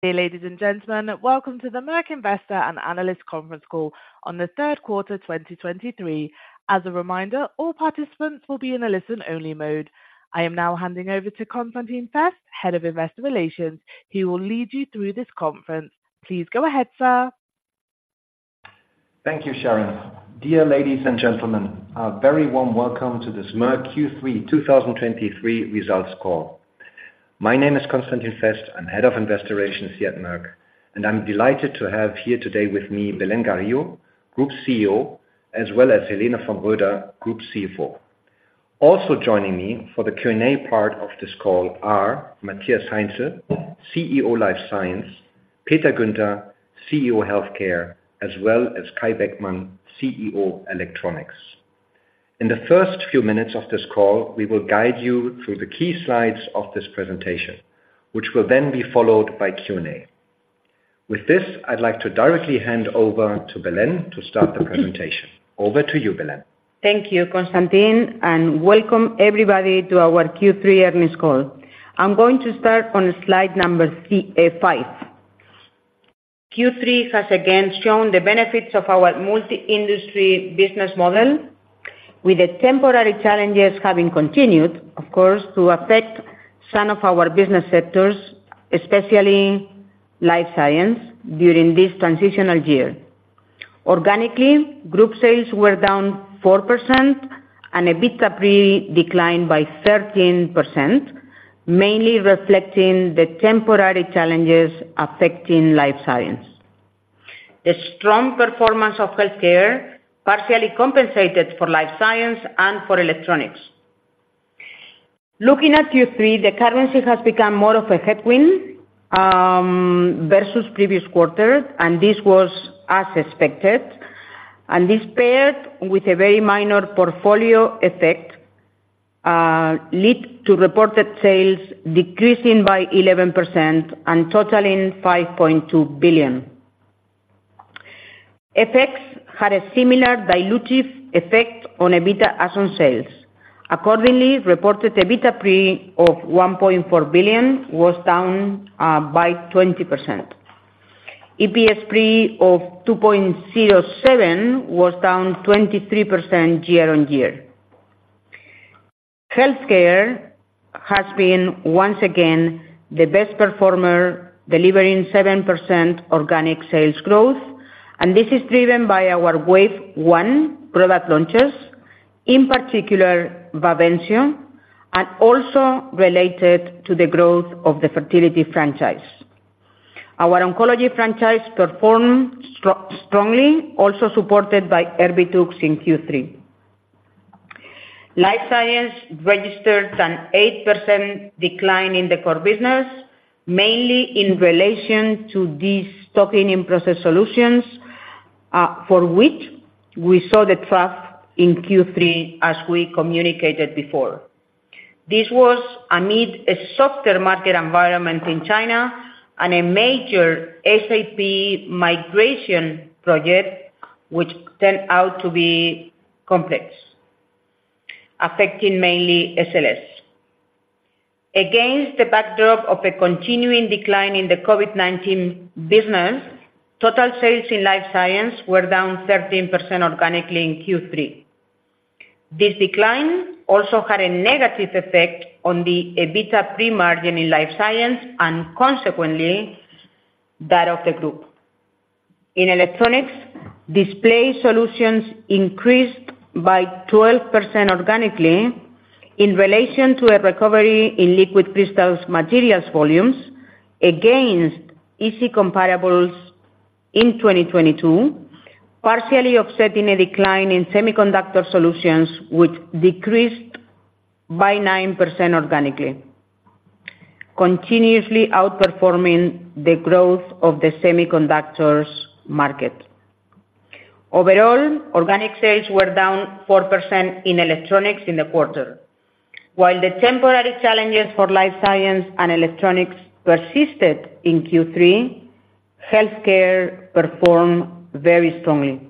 Dear ladies and gentlemen, welcome to the Merck Investor and Analyst Conference Call on the third quarter, 2023. As a reminder, all participants will be in a listen-only mode. I am now handing over to Constantin Fest, Head of Investor Relations. He will lead you through this conference. Please go ahead, sir. Thank you, Sharon. Dear ladies and gentlemen, a very warm welcome to this Merck Q3 2023 results call. My name is Constantin Fest. I'm Head of Investor Relations here at Merck, and I'm delighted to have here today with me, Belén Garijo, Group CEO, as well as Helene von Roeder, Group CFO. Also joining me for the Q&A part of this call are Matthias Heinzel, CEO, Life Science, Peter Guenter, CEO, Healthcare, as well as Kai Beckmann, CEO, Electronics. In the first few minutes of this call, we will guide you through the key slides of this presentation, which will then be followed by Q&A. With this, I'd like to directly hand over to Belén to start the presentation. Over to you, Belén. Thank you, Constantin, and welcome everybody to our Q3 earnings call. I'm going to start on slide number five. Q3 has again shown the benefits of our multi-industry business model, with the temporary challenges having continued, of course, to affect some of our business sectors, especially Life Science, during this transitional year. Organically, group sales were down 4%, and EBITDA pre declined by 13%, mainly reflecting the temporary challenges affecting Life Science. The strong performance of Healthcare partially compensated for Life Science and for Electronics. Looking at Q3, the currency has become more of a headwind versus previous quarter, and this was as expected. And this paired with a very minor portfolio effect lead to reported sales decreasing by 11% and totaling 5.2 billion. FX had a similar dilutive effect on EBITDA as on sales. Accordingly, reported EBITDA pre of 1.4 billion was down by 20%. EPS pre of 2.07 was down 23% year-on-year. Healthcare has been, once again, the best performer, delivering 7% organic sales growth, and this is driven by our wave one product launches, in particular, Bavencio, and also related to the growth of the fertility franchise. Our oncology franchise performed strongly, also supported by Erbitux in Q3. Life Science registered an 8% decline in the core business, mainly in relation to the stocking in Process Solutions, for which we saw the trough in Q3, as we communicated before. This was amid a softer market environment in China and a major SAP migration project, which turned out to be complex, affecting mainly SLS. Against the backdrop of a continuing decline in the COVID-19 business, total sales in Life Science were down 13% organically in Q3. This decline also had a negative effect on the EBITDA pre-margin in Life Science and consequently, that of the group. In Electronics, Display Solutions increased by 12% organically in relation to a recovery in liquid crystal materials volumes, against easy comparables in 2022, partially offsetting a decline in Semiconductor Solutions, which decreased by 9% organically, continuously outperforming the growth of the semiconductors market. Overall, organic sales were down 4% in Electronics in the quarter. While the temporary challenges for Life Science and Electronics persisted in Q3, Healthcare performed very strongly.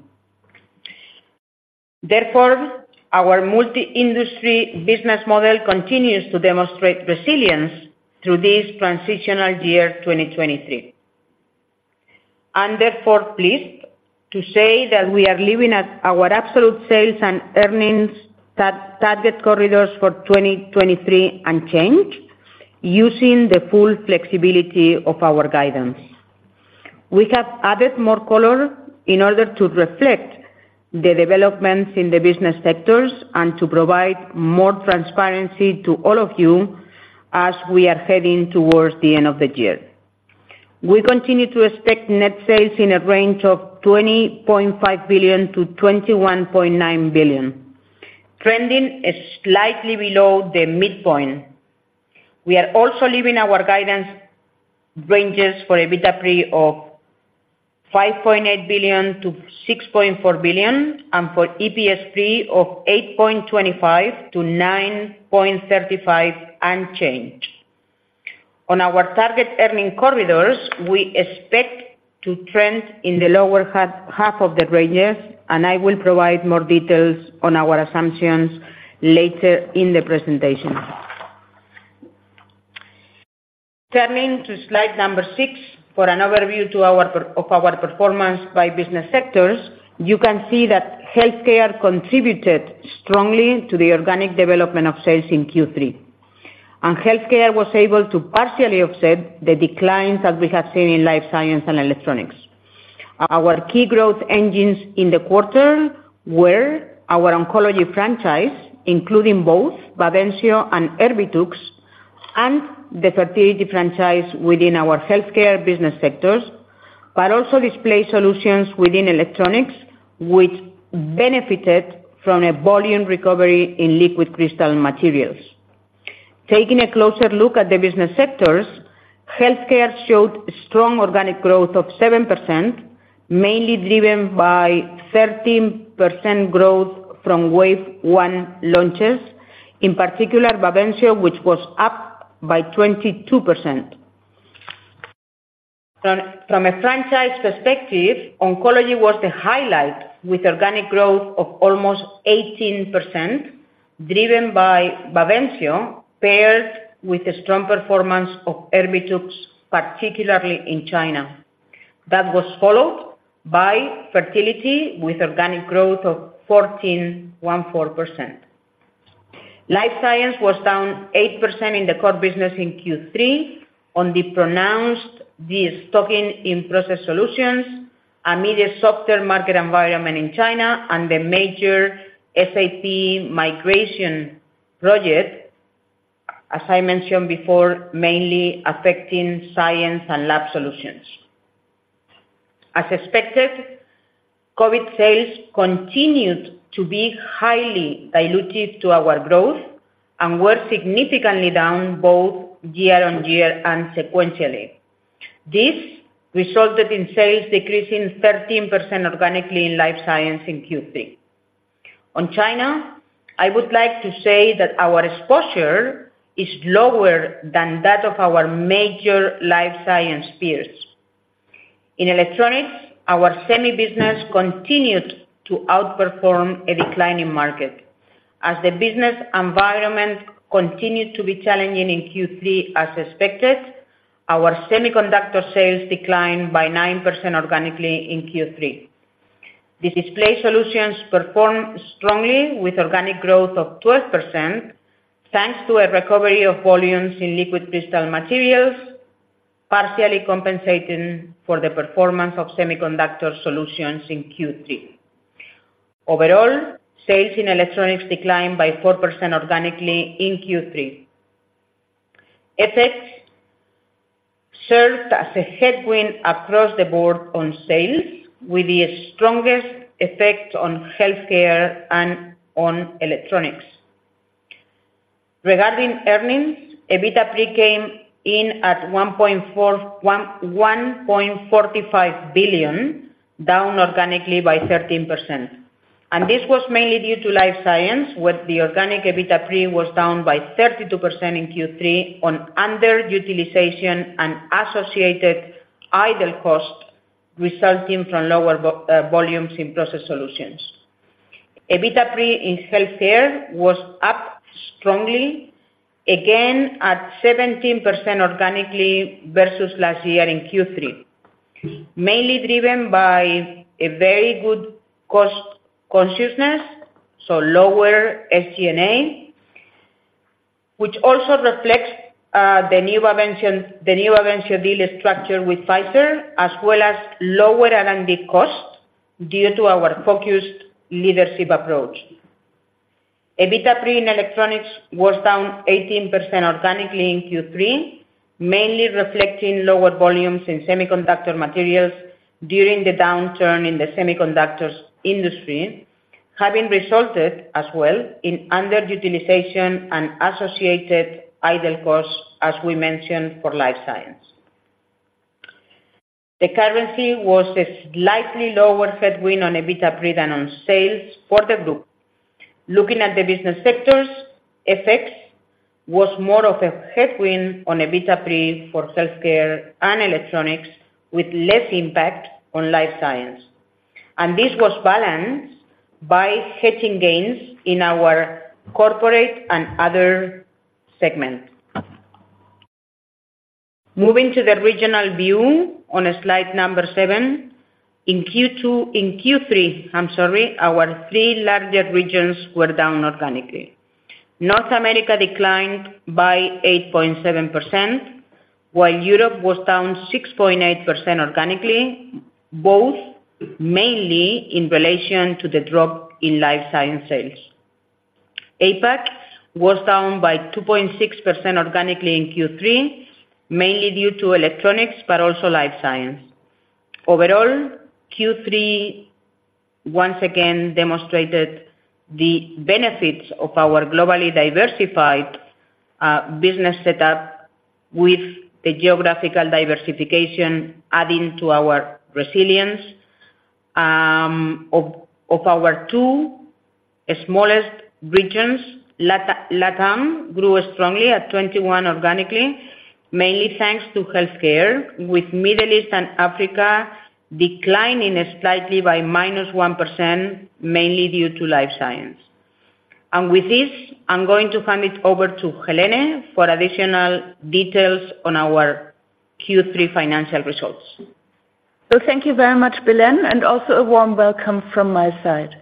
Therefore, our multi-industry business model continues to demonstrate resilience through this transitional year, 2023. I'm therefore pleased to say that we are leaving our absolute sales and earnings target corridors for 2023 unchanged, using the full flexibility of our guidance. We have added more color in order to reflect the developments in the business sectors and to provide more transparency to all of you as we are heading towards the end of the year. We continue to expect net sales in a range of 20.5 billion-21.9 billion, trending slightly below the midpoint. We are also leaving our guidance ranges for EBITDA pre of 5.8 billion-6.4 billion, and for EPS pre of 8.25-9.35 unchanged. On our target earning corridors, we expect to trend in the lower half of the ranges, and I will provide more details on our assumptions later in the presentation. Turning to slide 6, for an overview of our performance by business sectors, you can see that Healthcare contributed strongly to the organic development of sales in Q3. Healthcare was able to partially offset the declines that we have seen in Life Science and Electronics. Our key growth engines in the quarter were our oncology franchise, including both Bavencio and Erbitux, and the fertility franchise within our Healthcare business sectors, but also Display Solutions within Electronics, which benefited from a volume recovery in liquid crystal materials. Taking a closer look at the business sectors, healthcare showed strong organic growth of 7%, mainly driven by 13% growth from wave one launches, in particular, Bavencio, which was up by 22%. From a franchise perspective, oncology was the highlight, with organic growth of almost 18%, driven by Bavencio, paired with a strong performance of Erbitux, particularly in China. That was followed by fertility, with organic growth of 14.4%. Life Science was down 8% in the core business in Q3 on the pronounced de-stocking in Process Solutions, an immediate softer market environment in China, and the major SAP migration project, as I mentioned before, mainly affecting Science and Lab Solutions. As expected, COVID sales continued to be highly dilutive to our growth and were significantly down both year-on-year and sequentially. This resulted in sales decreasing 13% organically in Life Science in Q3. On China, I would like to say that our exposure is lower than that of our major Life Science peers. In Electronics, our semi business continued to outperform a declining market. As the business environment continued to be challenging in Q3, as expected, our semiconductor sales declined by 9% organically in Q3. The Display Solutions performed strongly with organic growth of 12%, thanks to a recovery of volumes in liquid crystal materials, partially compensating for the performance of Semiconductor Solutions in Q3. Overall, sales in Electronics declined by 4% organically in Q3. FX served as a headwind across the board on sales, with the strongest effect on Healthcare and on Electronics. Regarding earnings, EBITDA came in at 1.45 billion, down organically by 13%, and this was mainly due to Life Science, with the organic EBITDA pre was down by 32% in Q3 on underutilization and associated idle costs resulting from lower volumes in Process Solutions. EBITDA pre in Healthcare was up strongly, again, at 17% organically versus last year in Q3, mainly driven by a very good cost consciousness, so lower SG&A, which also reflects the new Bavencio, the new Bavencio deal structure with Pfizer, as well as lower R&D costs due to our focused leadership approach. EBITDA pre in Electronics was down 18% organically in Q3, mainly reflecting lower volumes in semiconductor materials during the downturn in the semiconductors industry, having resulted as well in underutilization and associated idle costs, as we mentioned, for Life Science. The currency was a slightly lower headwind on EBITDA pre than on sales for the group. Looking at the business sectors, FX was more of a headwind on EBITDA pre for Healthcare and Electronics, with less impact on Life Science, and this was balanced by hedging gains in our corporate and other segments. Moving to the regional view on slide number 7. In Q3, I'm sorry, our three largest regions were down organically. North America declined by 8.7%, while Europe was down 6.8% organically, both mainly in relation to the drop in Life Science sales. APAC was down by 2.6% organically in Q3, mainly due to Electronics, but also Life Science. Overall, Q3 once again demonstrated the benefits of our globally diversified business setup, with the geographical diversification adding to our resilience of our two smallest regions. Latam grew strongly at 21 organically, mainly thanks to Healthcare, with Middle East and Africa declining slightly by -1%, mainly due to Life Science. And with this, I'm going to hand it over to Helene for additional details on our Q3 financial results. Well, thank you very much, Belén, and also a warm welcome from my side.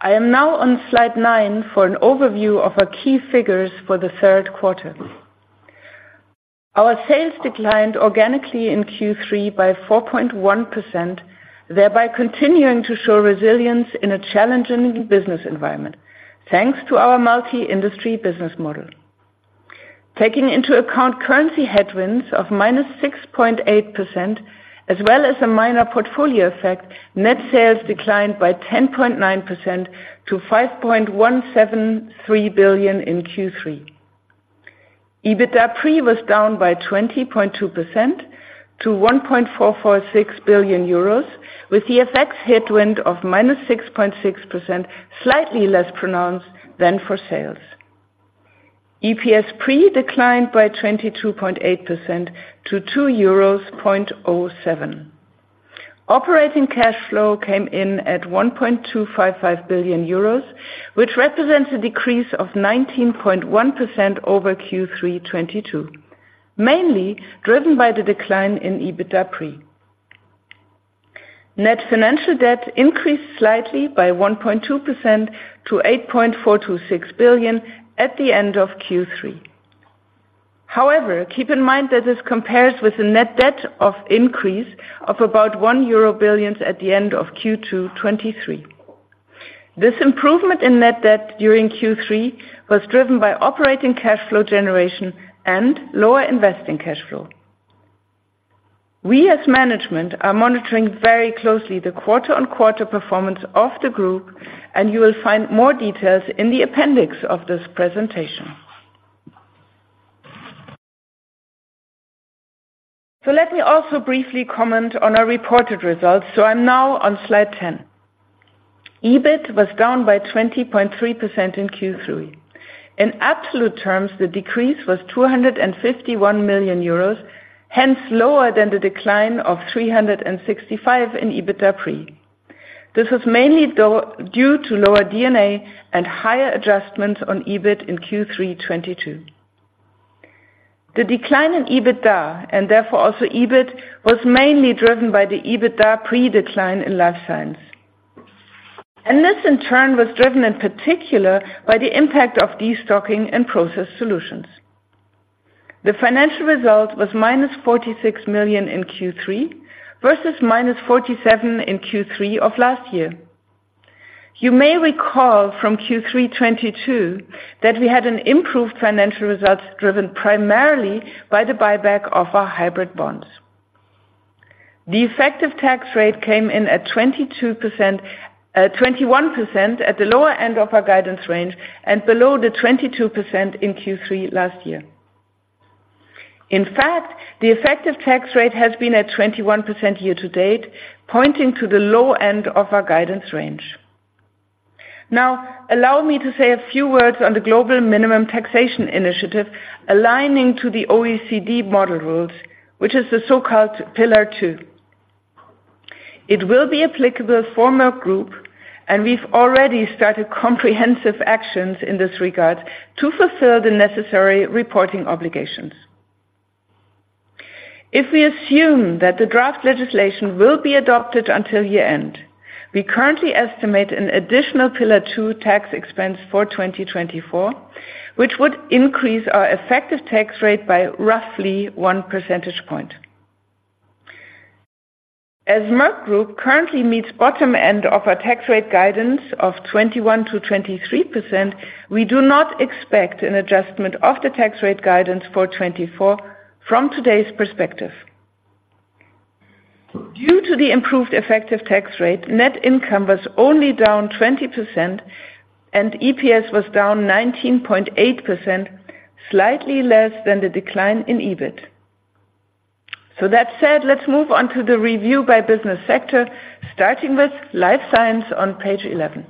I am now on slide 9 for an overview of our key figures for the third quarter. Our sales declined organically in Q3 by 4.1%, thereby continuing to show resilience in a challenging business environment, thanks to our multi-industry business model. Taking into account currency headwinds of -6.8%, as well as a minor portfolio effect, net sales declined by 10.9% to 5.173 billion in Q3. EBITDA pre was down by 20.2% to 1.446 billion euros, with the FX headwind of -6.6%, slightly less pronounced than for sales. EPS pre declined by 22.8% to 2.07 euros. Operating cash flow came in at 1.255 billion euros, which represents a decrease of 19.1% over Q3 2022, mainly driven by the decline in EBITDA pre. Net financial debt increased slightly by 1.2% to 8.426 billion at the end of Q3. However, keep in mind that this compares with a net debt increase of about 1 billion euro at the end of Q2 2023. This improvement in net debt during Q3 was driven by operating cash flow generation and lower investing cash flow. We, as management, are monitoring very closely the quarter-on-quarter performance of the group, and you will find more details in the appendix of this presentation. So let me also briefly comment on our reported results. So I'm now on slide 10. EBIT was down by 20.3% in Q3. In absolute terms, the decrease was 251 million euros, hence lower than the decline of 365 million in EBITDA pre. This is mainly due to lower D&A and higher adjustments on EBIT in Q3 2022. The decline in EBITDA, and therefore also EBIT, was mainly driven by the EBITDA pre decline in Life Science. And this, in turn, was driven in particular by the impact of destocking and Process Solutions. The financial result was -46 million in Q3 versus -47 million in Q3 of last year. You may recall from Q3 2022, that we had an improved financial result driven primarily by the buyback of our hybrid bonds. The effective tax rate came in at 22%, 21% at the lower end of our guidance range and below the 22% in Q3 last year. In fact, the effective tax rate has been at 21% year to date, pointing to the low end of our guidance range. Now, allow me to say a few words on the global minimum taxation initiative, aligning to the OECD model rules, which is the so-called Pillar Two. It will be applicable for Merck Group, and we've already started comprehensive actions in this regard to fulfill the necessary reporting obligations. If we assume that the draft legislation will be adopted until year-end, we currently estimate an additional Pillar Two tax expense for 2024, which would increase our effective tax rate by roughly one percentage point. As Merck Group currently meets bottom end of our tax rate guidance of 21%-23%, we do not expect an adjustment of the tax rate guidance for 2024 from today's perspective. Due to the improved effective tax rate, net income was only down 20%, and EPS was down 19.8%, slightly less than the decline in EBIT. So that said, let's move on to the review by business sector, starting with Life Science on page 11.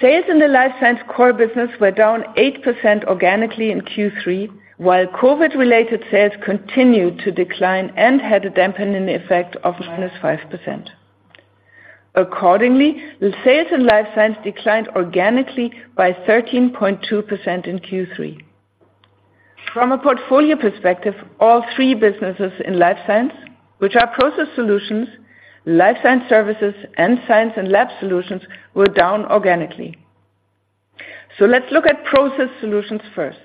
Sales in the Life Science core business were down 8% organically in Q3, while COVID-related sales continued to decline and had a dampening effect of -5%. Accordingly, the sales in Life Science declined organically by 13.2% in Q3. From a portfolio perspective, all three businesses in Life Science, which are Process Solutions, Life Science Services, and Science and Lab Solutions, were down organically. So let's look at Process Solutions first.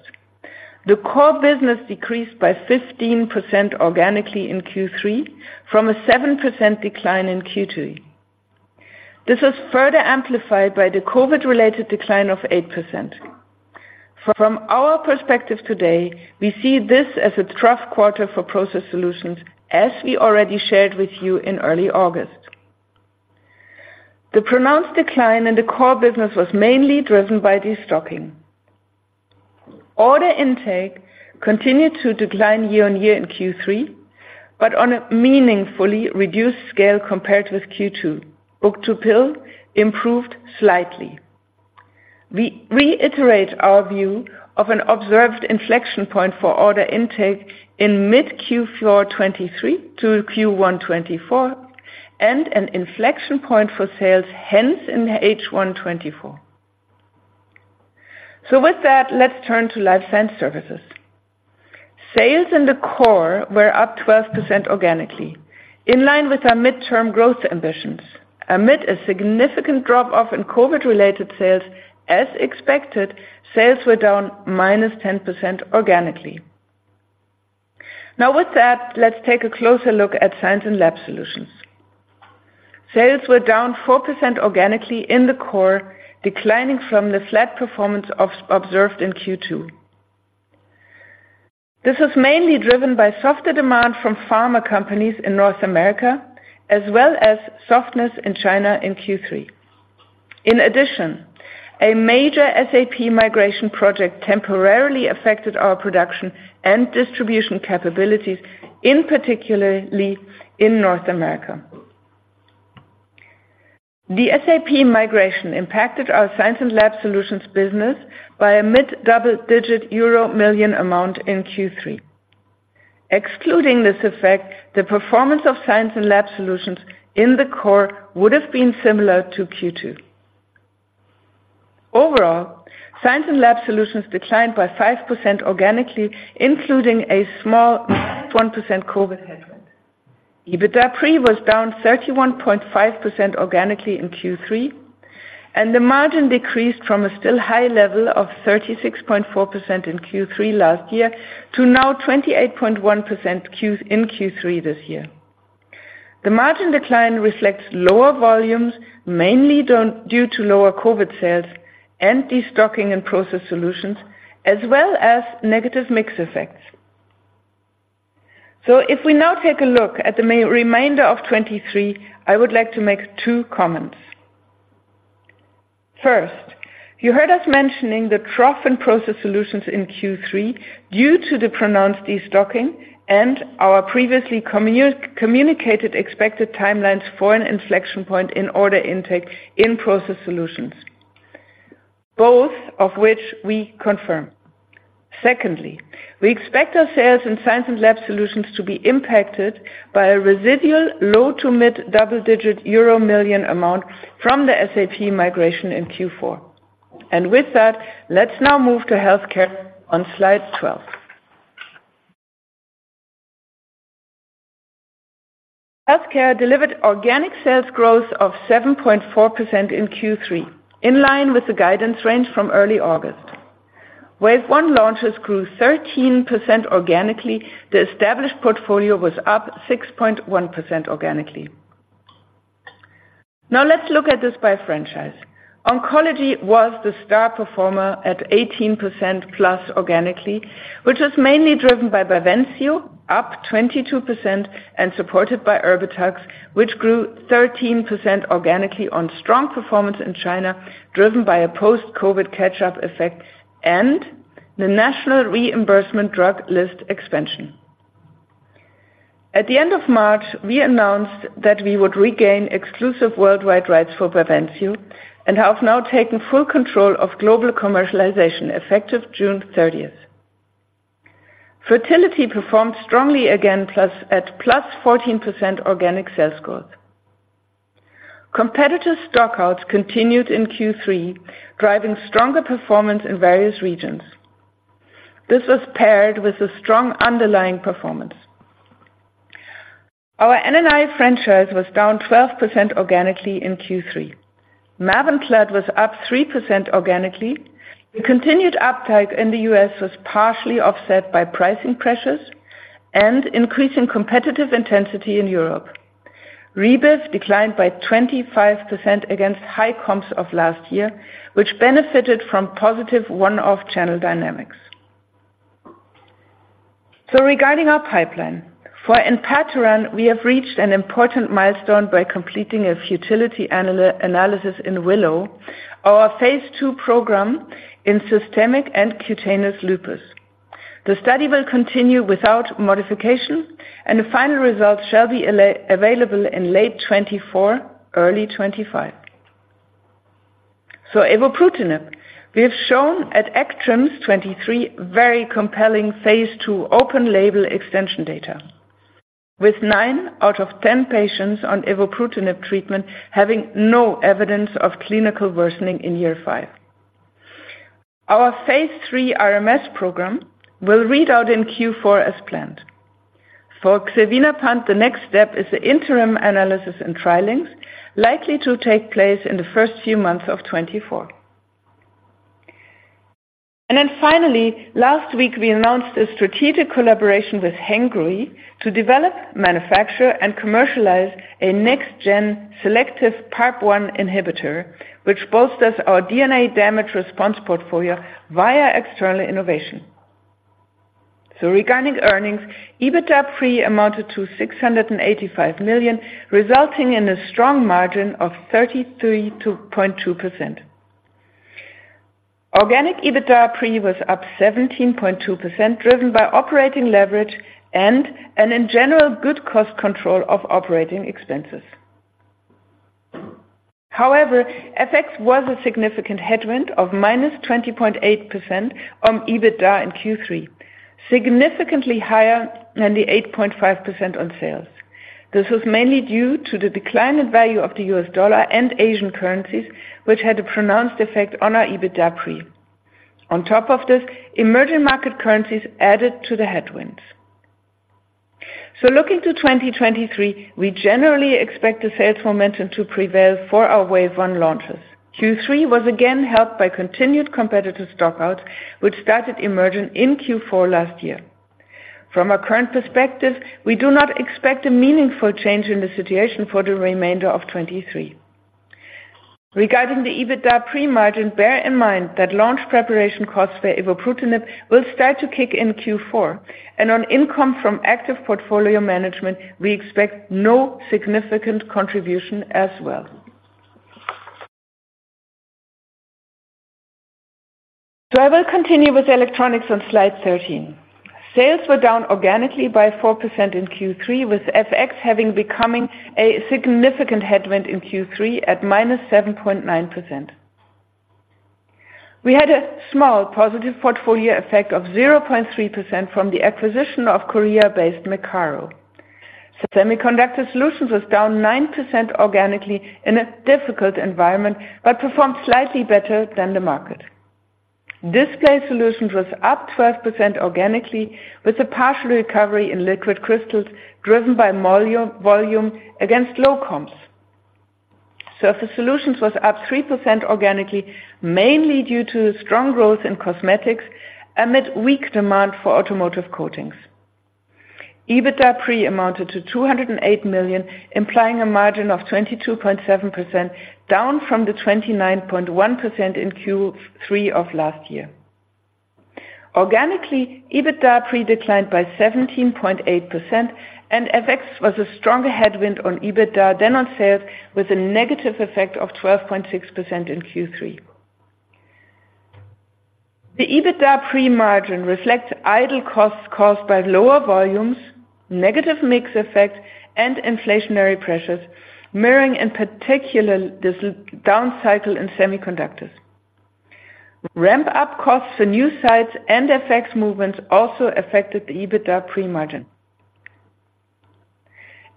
The core business decreased by 15% organically in Q3 from a 7% decline in Q2. This is further amplified by the COVID-related decline of 8%. From our perspective today, we see this as a trough quarter for Process Solutions, as we already shared with you in early August. The pronounced decline in the core business was mainly driven by destocking. Order intake continued to decline year-on-year in Q3, but on a meaningfully reduced scale compared with Q2. Book-to-bill improved slightly. We reiterate our view of an observed inflection point for order intake in mid Q4 2023 to Q1 2024, and an inflection point for sales hence in H1 2024. So with that, let's turn to Life Science Services. Sales in the core were up 12% organically, in line with our midterm growth ambitions. Amid a significant drop-off in COVID-related sales, as expected, sales were down -10% organically. Now, with that, let's take a closer look at Science and Lab Solutions. Sales were down 4% organically in the core, declining from the flat performance observed in Q2. This was mainly driven by softer demand from pharma companies in North America, as well as softness in China in Q3. In addition, a major SAP migration project temporarily affected our production and distribution capabilities, particularly in North America. The SAP migration impacted our Science and Lab Solutions business by a mid-double-digit euro million amount in Q3. Excluding this effect, the performance of Science and Lab Solutions in the core would have been similar to Q2. Overall, Science and Lab Solutions declined by 5% organically, including a small 1% COVID headwind. EBITDA pre was down 31.5% organically in Q3, and the margin decreased from a still high level of 36.4% in Q3 last year to now 28.1% in Q3 this year. The margin decline reflects lower volumes, mainly due to lower COVID sales and destocking and Process Solutions, as well as negative mix effects. So if we now take a look at the remainder of 2023, I would like to make two comments. First, you heard us mentioning the trough in Process Solutions in Q3 due to the pronounced destocking and our previously communicated expected timelines for an inflection point in order intake in Process Solutions, both of which we confirm. Secondly, we expect our sales in Science and Lab Solutions to be impacted by a residual low- to mid-double-digit euro million amount from the SAP migration in Q4. With that, let's now move to Healthcare on slide 12. Healthcare delivered organic sales growth of 7.4% in Q3, in line with the guidance range from early August. Wave one launches grew 13% organically. The established portfolio was up 6.1% organically. Now let's look at this by franchise. Oncology was the star performer at 18%+ organically, which was mainly driven by Bavencio, up 22% and supported by Erbitux, which grew 13% organically on strong performance in China, driven by a post-COVID catch-up effect and the National Reimbursement Drug List expansion. At the end of March, we announced that we would regain exclusive worldwide rights for Bavencio and have now taken full control of global commercialization, effective June 30. Fertility performed strongly again, plus, at +14% organic sales growth. Competitive stockouts continued in Q3, driving stronger performance in various regions. This was paired with a strong underlying performance. Our NNI franchise was down -12% organically in Q3. Mavenclad was up +3% organically. The continued uptake in the US was partially offset by pricing pressures and increasing competitive intensity in Europe. Rebif declined by 25% against high comps of last year, which benefited from positive one-off channel dynamics. So regarding our pipeline, for Enpatoran, we have reached an important milestone by completing a futility analysis in Willow, our phase II program in systemic and cutaneous lupus. The study will continue without modification, and the final results shall be available in late 2024, early 2025. Evobrutinib, we have shown at ACTRIMS 2023, very compelling phase II open label extension data, with 9 out of 10 patients on evobrutinib treatment having no evidence of clinical worsening in year 5. Our phase III RMS program will read out in Q4 as planned. For Xevinapant, the next step is the interim analysis and trialing, likely to take place in the first few months of 2024. And then finally, last week, we announced a strategic collaboration with Hengrui to develop, manufacture, and commercialize a next gen selective PARP-1 inhibitor, which bolsters our DNA damage response portfolio via external innovation.... Regarding earnings, EBITDA pre amounted to 685 million, resulting in a strong margin of 33.2%. Organic EBITDA pre was up 17.2%, driven by operating leverage and in general, good cost control of operating expenses. However, FX was a significant headwind of minus 20.8% on EBITDA in Q3, significantly higher than the 8.5% on sales. This was mainly due to the decline in value of the US dollar and Asian currencies, which had a pronounced effect on our EBITDA pre. On top of this, emerging market currencies added to the headwinds. So looking to 2023, we generally expect the sales momentum to prevail for our wave one launches. Q3 was again helped by continued competitive stockouts, which started emerging in Q4 last year. From a current perspective, we do not expect a meaningful change in the situation for the remainder of 2023. Regarding the EBITDA pre-margin, bear in mind that launch preparation costs for evobrutinib will start to kick in Q4, and on income from active portfolio management, we expect no significant contribution as well. So I will continue with electronics on slide 13. Sales were down organically by 4% in Q3, with FX having becoming a significant headwind in Q3 at -7.9%. We had a small positive portfolio effect of 0.3% from the acquisition of Korea-based Mecaro. Semiconductor Solutions was down 9% organically in a difficult environment, but performed slightly better than the market. Display Solutions was up 12% organically, with a partial recovery in liquid crystals, driven by volume against low comps. Surface Solutions was up 3% organically, mainly due to strong growth in cosmetics amid weak demand for automotive coatings. EBITDA pre amounted to 208 million, implying a margin of 22.7%, down from the 29.1% in Q3 of last year. Organically, EBITDA pre declined by 17.8%, and FX was a stronger headwind on EBITDA than on sales, with a negative effect of 12.6% in Q3. The EBITDA pre margin reflects idle costs caused by lower volumes, negative mix effects, and inflationary pressures, mirroring, in particular, this down cycle in semiconductors. Ramp-up costs for new sites and FX movements also affected the EBITDA pre margin.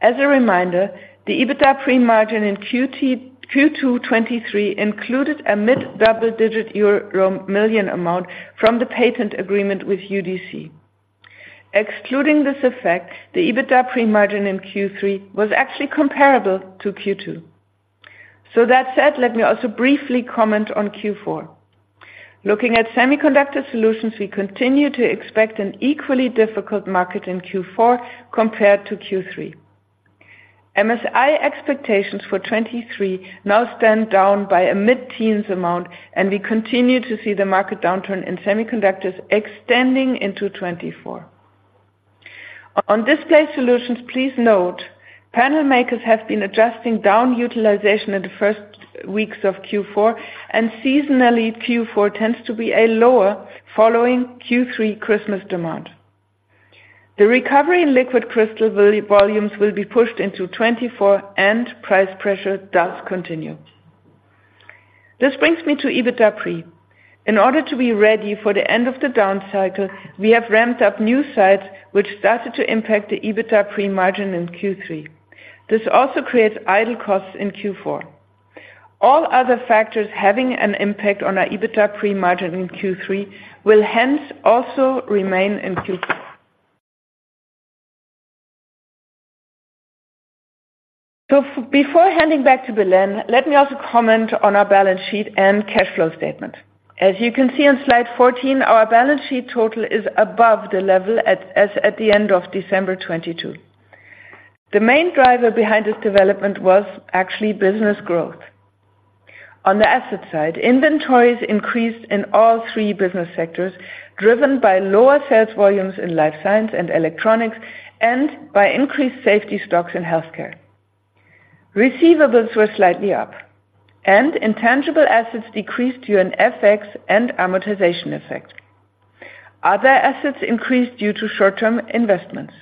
As a reminder, the EBITDA pre margin in Q2 2023 included a mid-double-digit euro million amount from the patent agreement with UDC. Excluding this effect, the EBITDA pre margin in Q3 was actually comparable to Q2. So that said, let me also briefly comment on Q4. Looking at Semiconductor Solutions, we continue to expect an equally difficult market in Q4 compared to Q3. MSI expectations for 2023 now stand down by a mid-teens amount, and we continue to see the market downturn in semiconductors extending into 2024. On Display Solutions, please note, panel makers have been adjusting down utilization in the first weeks of Q4, and seasonally, Q4 tends to be a lower following Q3 Christmas demand. The recovery in liquid crystal volumes will be pushed into 2024, and price pressure does continue. This brings me to EBITDA pre. In order to be ready for the end of the down cycle, we have ramped up new sites, which started to impact the EBITDA pre-margin in Q3. This also creates idle costs in Q4. All other factors having an impact on our EBITDA pre-margin in Q3 will hence also remain in Q4. So before handing back to Belén, let me also comment on our balance sheet and cash flow statement. As you can see on slide 14, our balance sheet total is above the level at, as at the end of December 2022. The main driver behind this development was actually business growth. On the asset side, inventories increased in all three business sectors, driven by lower sales volumes in Life Science and Electronics, and by increased safety stocks in Healthcare. Receivables were slightly up, and intangible assets decreased due to an FX and amortization effect. Other assets increased due to short-term investments,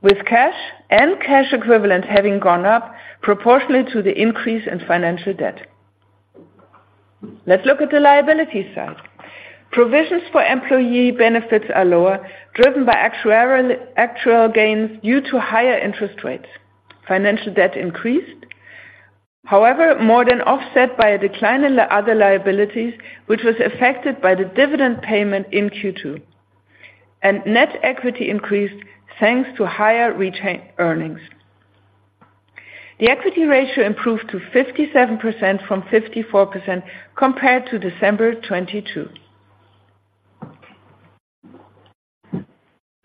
with cash and cash equivalent having gone up proportionately to the increase in financial debt. Let's look at the liability side. Provisions for employee benefits are lower, driven by actuarial gains due to higher interest rates. Financial debt increased, however, more than offset by a decline in the other liabilities, which was affected by the dividend payment in Q2. Net equity increased, thanks to higher retained earnings. The equity ratio improved to 57% from 54% compared to December 2022.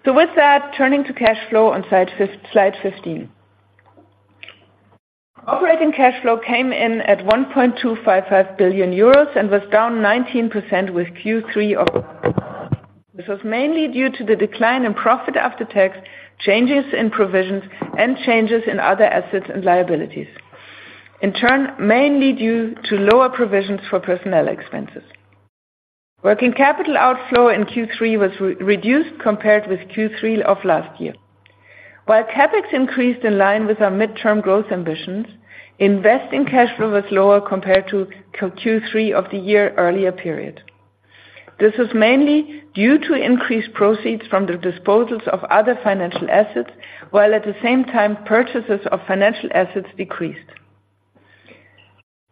So with that, turning to cash flow on slide fifteen. Operating cash flow came in at 1.255 billion euros and was down 19% with Q3. This was mainly due to the decline in profit after tax, changes in provisions, and changes in other assets and liabilities. In turn, mainly due to lower provisions for personnel expenses. Working capital outflow in Q3 was reduced compared with Q3 of last year. While CapEx increased in line with our midterm growth ambitions, investing cash flow was lower compared to Q3 of the year earlier period. This was mainly due to increased proceeds from the disposals of other financial assets, while at the same time, purchases of financial assets decreased.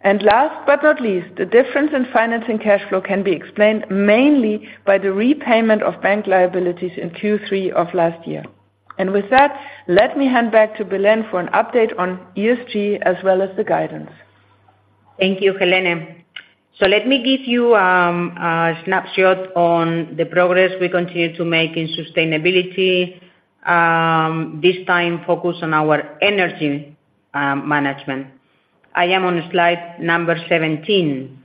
Last but not least, the difference in financing cash flow can be explained mainly by the repayment of bank liabilities in Q3 of last year. With that, let me hand back to Belén for an update on ESG as well as the guidance. Thank you, Helene. So let me give you a snapshot on the progress we continue to make in sustainability, this time focused on our energy management. I am on slide number 17.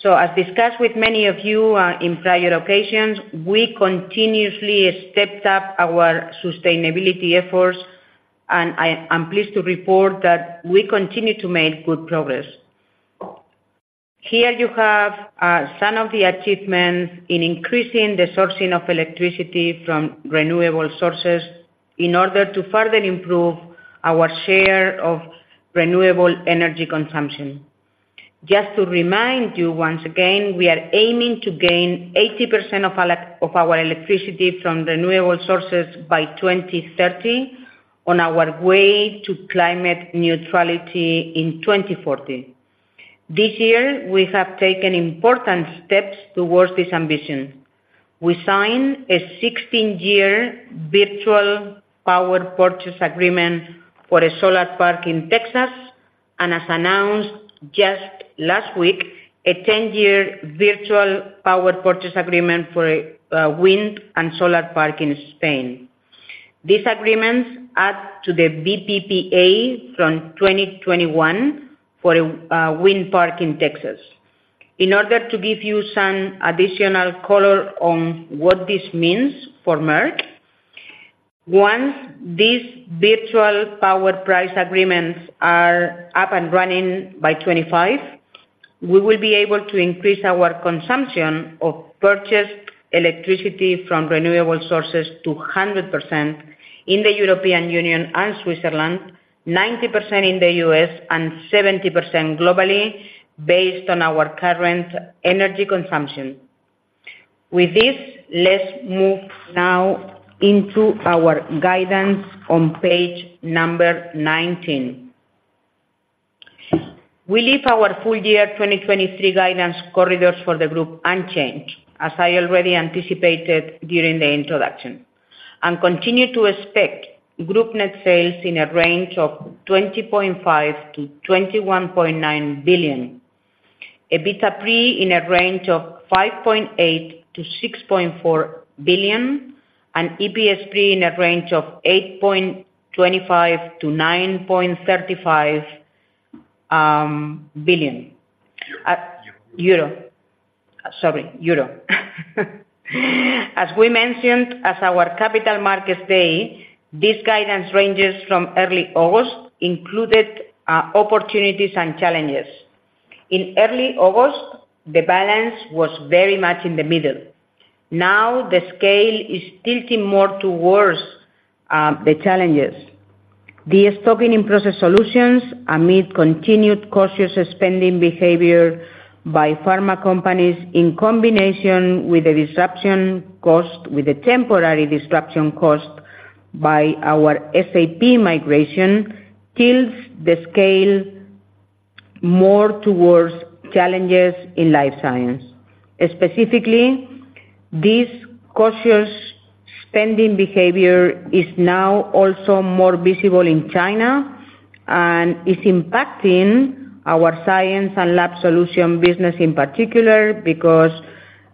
So as discussed with many of you in prior occasions, we continuously stepped up our sustainability efforts, and I, I'm pleased to report that we continue to make good progress. Here you have some of the achievements in increasing the sourcing of electricity from renewable sources in order to further improve our share of renewable energy consumption. Just to remind you, once again, we are aiming to gain 80% of our electricity from renewable sources by 2030, on our way to climate neutrality in 2040. This year, we have taken important steps towards this ambition. We signed a 16-year virtual power purchase agreement for a solar park in Texas, and as announced just last week, a 10-year virtual power purchase agreement for a wind and solar park in Spain. These agreements add to the VPPA from 2021 for a wind park in Texas. In order to give you some additional color on what this means for Merck, once these virtual power purchase agreements are up and running by 2025, we will be able to increase our consumption of purchased electricity from renewable sources to 100% in the European Union and Switzerland, 90% in the U.S., and 70% globally, based on our current energy consumption. With this, let's move now into our guidance on page 19. We leave our full-year 2023 guidance corridors for the group unchanged, as I already anticipated during the introduction, and continue to expect group net sales in a range of 20.5 billion-21.9 billion, EBITDA pre in a range of 5.8 billion-6.4 billion, and EPS pre in a range of 8.25 billion-9.35 billion. Euro. Euro. Sorry, euro. As we mentioned, at our Capital Markets Day, these guidance ranges from early August included opportunities and challenges. In early August, the balance was very much in the middle. Now, the scale is tilting more towards the challenges. The stocking in Process Solutions amid continued cautious spending behavior by pharma companies, in combination with the temporary disruption caused by our SAP migration, tilts the scale more towards challenges in Life Science. Specifically, this cautious spending behavior is now also more visible in China, and it's impacting our Science and Lab Solutions business in particular, because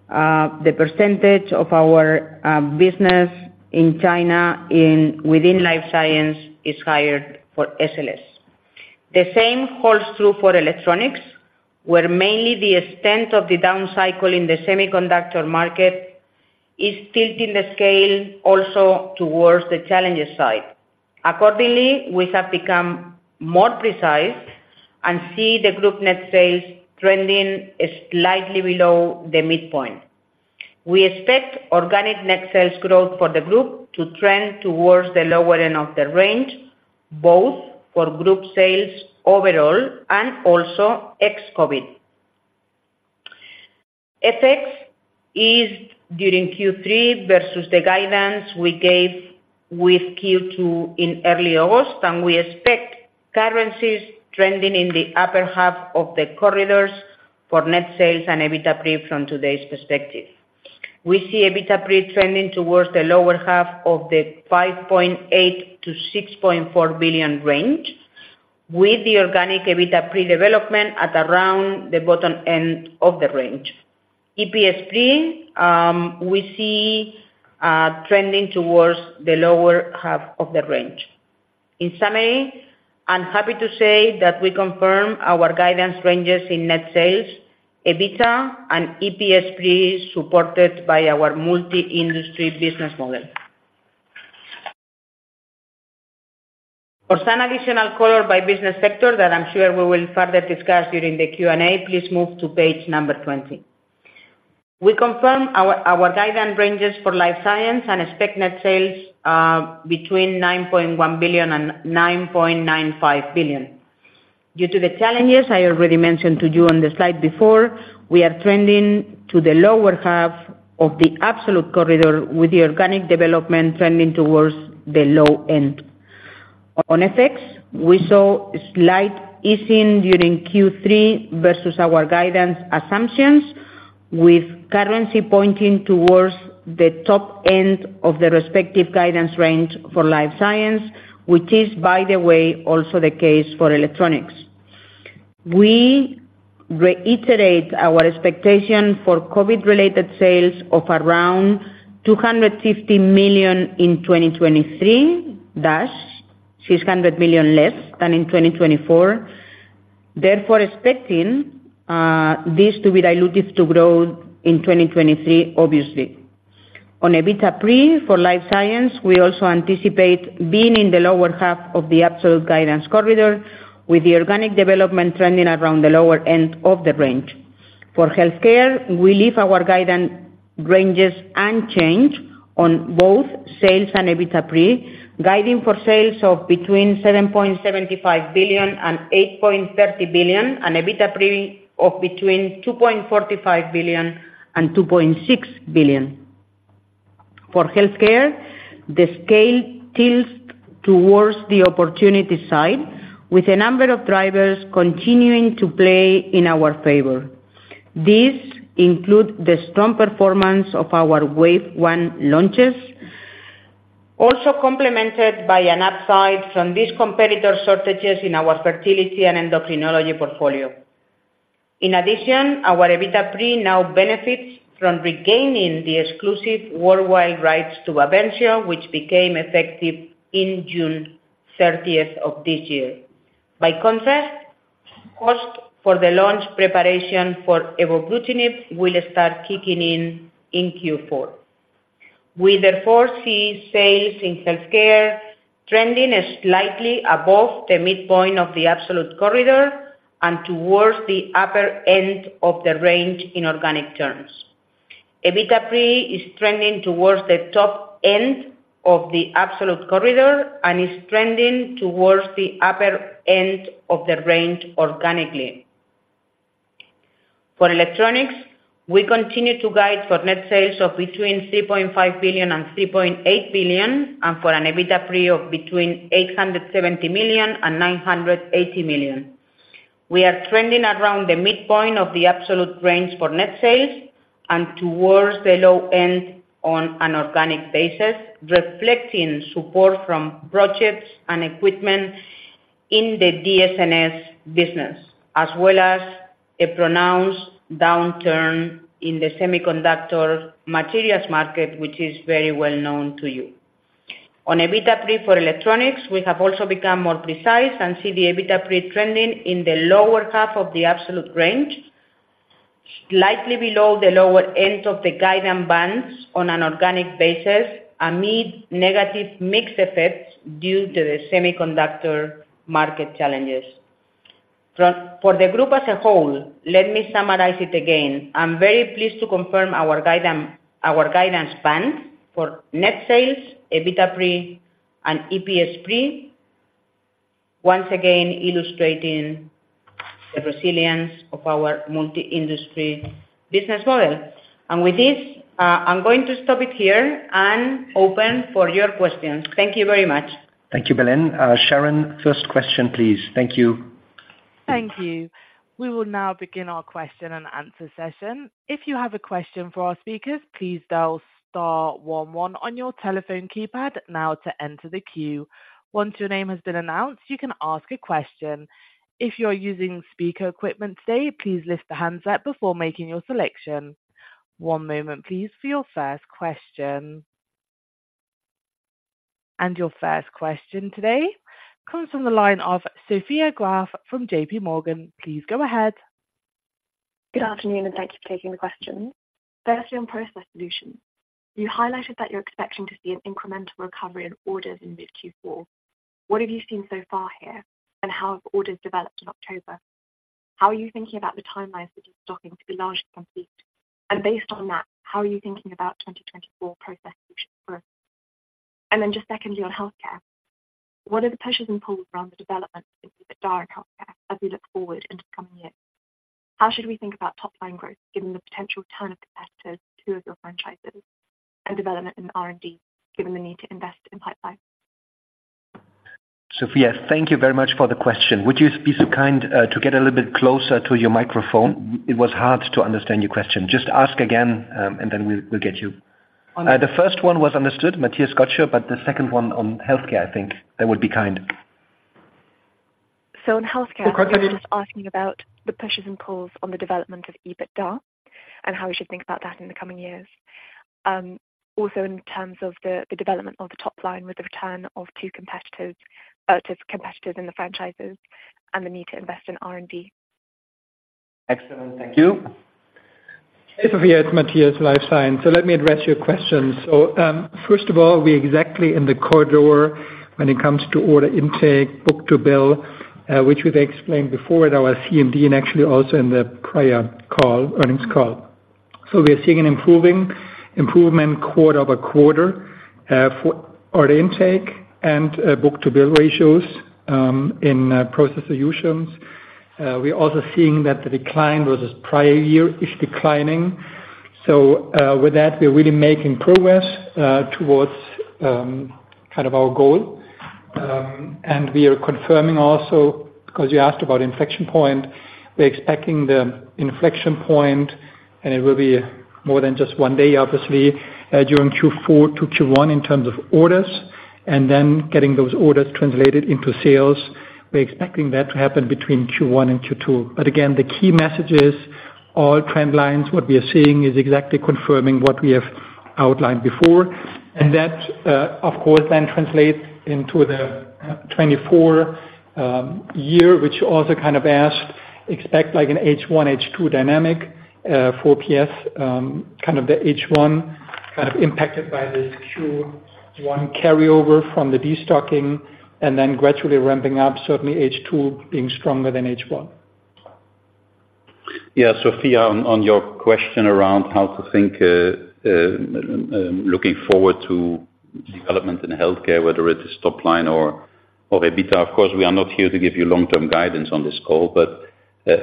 the percentage of our business in China within Life Science is higher for SLS. The same holds true for Electronics, where mainly the extent of the down cycle in the semiconductor market is tilting the scale also towards the challenges side. Accordingly, we have become more precise and see the group net sales trending slightly below the midpoint. We expect organic net sales growth for the group to trend towards the lower end of the range, both for group sales overall and also ex-COVID. FX eased during Q3 versus the guidance we gave with Q2 in early August, and we expect currencies trending in the upper half of the corridors for net sales and EBITDA pre from today's perspective. We see EBITDA pre trending towards the lower half of the 5.8 billion-6.4 billion range, with the organic EBITDA pre-development at around the bottom end of the range. EPS pre, we see trending towards the lower half of the range. In summary, I'm happy to say that we confirm our guidance ranges in net sales, EBITDA, and EPS pre, supported by our multi-industry business model. For some additional color by business sector that I'm sure we will further discuss during the Q&A, please move to page 20. We confirm our guidance ranges for Life Science and expect net sales between 9.1 billion and 9.95 billion. Due to the challenges I already mentioned to you on the slide before, we are trending to the lower half of the absolute corridor, with the organic development trending towards the low end. On effects, we saw slight easing during Q3 versus our guidance assumptions, with currency pointing towards the top end of the respective guidance range for Life Science, which is, by the way, also the case for Electronics. We reiterate our expectation for Covid-related sales of around 250 million in 2023 - 600 million less than in 2024. Therefore, expecting this to be dilutive to growth in 2023, obviously. On EBITDA pre for Life Science, we also anticipate being in the lower half of the absolute guidance corridor, with the organic development trending around the lower end of the range. For Healthcare, we leave our guidance ranges unchanged on both sales and EBITDA pre, guiding for sales of between 7.75 billion and 8.30 billion, and EBITDA pre of between 2.45 billion and 2.6 billion. For Healthcare, the scale tilts towards the opportunity side, with a number of drivers continuing to play in our favor. These include the strong performance of our wave one launches, also complemented by an upside from these competitor shortages in our fertility and endocrinology portfolio. In addition, our EBITDA pre now benefits from regaining the exclusive worldwide rights to Bavencio, which became effective in June thirtieth of this year. By contrast, cost for the launch preparation for evobrutinib will start kicking in in Q4. We therefore see sales in Healthcare trending slightly above the midpoint of the absolute corridor and towards the upper end of the range in organic terms. EBITDA pre is trending towards the top end of the absolute corridor and is trending towards the upper end of the range organically. For Electronics, we continue to guide for net sales of between 3.5 billion and 3.8 billion, and for an EBITDA pre of between 870 million and 980 million. We are trending around the midpoint of the absolute range for net sales and towards the low end on an organic basis, reflecting support from projects and equipment in the DS&S business, as well as a pronounced downturn in the semiconductor materials market, which is very well known to you. On EBITDA pre for Electronics, we have also become more precise and see the EBITDA pre trending in the lower half of the absolute range, slightly below the lower end of the guidance bands on an organic basis amid negative mix effects due to the semiconductor market challenges. For the group as a whole, let me summarize it again. I'm very pleased to confirm our guidance, our guidance band for net sales, EBITDA pre, and EPS pre, once again illustrating the resilience of our multi-industry business model. With this, I'm going to stop it here and open for your questions. Thank you very much. Thank you, Belén. Sharon, first question, please. Thank you. Thank you. We will now begin our question and answer session. If you have a question for our speakers, please dial star one one on your telephone keypad now to enter the queue. Once your name has been announced, you can ask a question. If you are using speaker equipment today, please lift the handset before making your selection. One moment, please, for your first question. Your first question today comes from the line of Sophie Graf from JP Morgan. Please go ahead. Good afternoon, and thank you for taking the questions. Firstly, on Process Solutions, you highlighted that you're expecting to see an incremental recovery in orders in this Q4. What have you seen so far here, and how have orders developed in October? How are you thinking about the timelines, which is starting to be largely complete? And based on that, how are you thinking about 2024 Process Solutions growth? And then just secondly, on Healthcare, what are the pushes and pulls around the development in Healthcare as we look forward into the coming years? How should we think about top-line growth, given the potential turn of competitors to your franchises and development in R&D, given the need to invest in pipeline? Sophia, thank you very much for the question. Would you be so kind to get a little bit closer to your microphone? It was hard to understand your question. Just ask again, and then we'll get you. The first one was understood, Matthias got you, but the second one on Healthcare, I think, that would be kind. So in Healthcare, I'm just asking about the pushes and pulls on the development of EBITDA and how we should think about that in the coming years. Also, in terms of the development of the top line with the return of two competitors to competitors in the franchises and the need to invest in R&D. Excellent. Thank you. Hey, Sophia, it's Matthias, Life Science. So let me address your questions. So, first of all, we're exactly in the corridor when it comes to order intake, book-to-bill, which we've explained before at our CMD and actually also in the prior call, earnings call. So we are seeing an improvement quarter over quarter, for order intake and book-to-bill ratios, in Process Solutions. We're also seeing that the decline versus prior year is declining. So, with that, we're really making progress towards kind of our goal. And we are confirming also, because you asked about inflection point, we're expecting the inflection point, and it will be more than just one day, obviously, during Q4 to Q1 in terms of orders, and then getting those orders translated into sales. We're expecting that to happen between Q1 and Q2. But again, the key message is all trend lines. What we are seeing is exactly confirming what we have outlined before, and that, of course, then translates into the 2024 year, which you also kind of asked, expect like an H1, H2 dynamic for PS. Kind of the H1, kind of impacted by the Q1 carryover from the destocking and then gradually ramping up, certainly H2 being stronger than H1. Yeah, Sophia, on your question around how to think looking forward to development in Healthcare, whether it is top line or EBITDA, of course, we are not here to give you long-term guidance on this call, but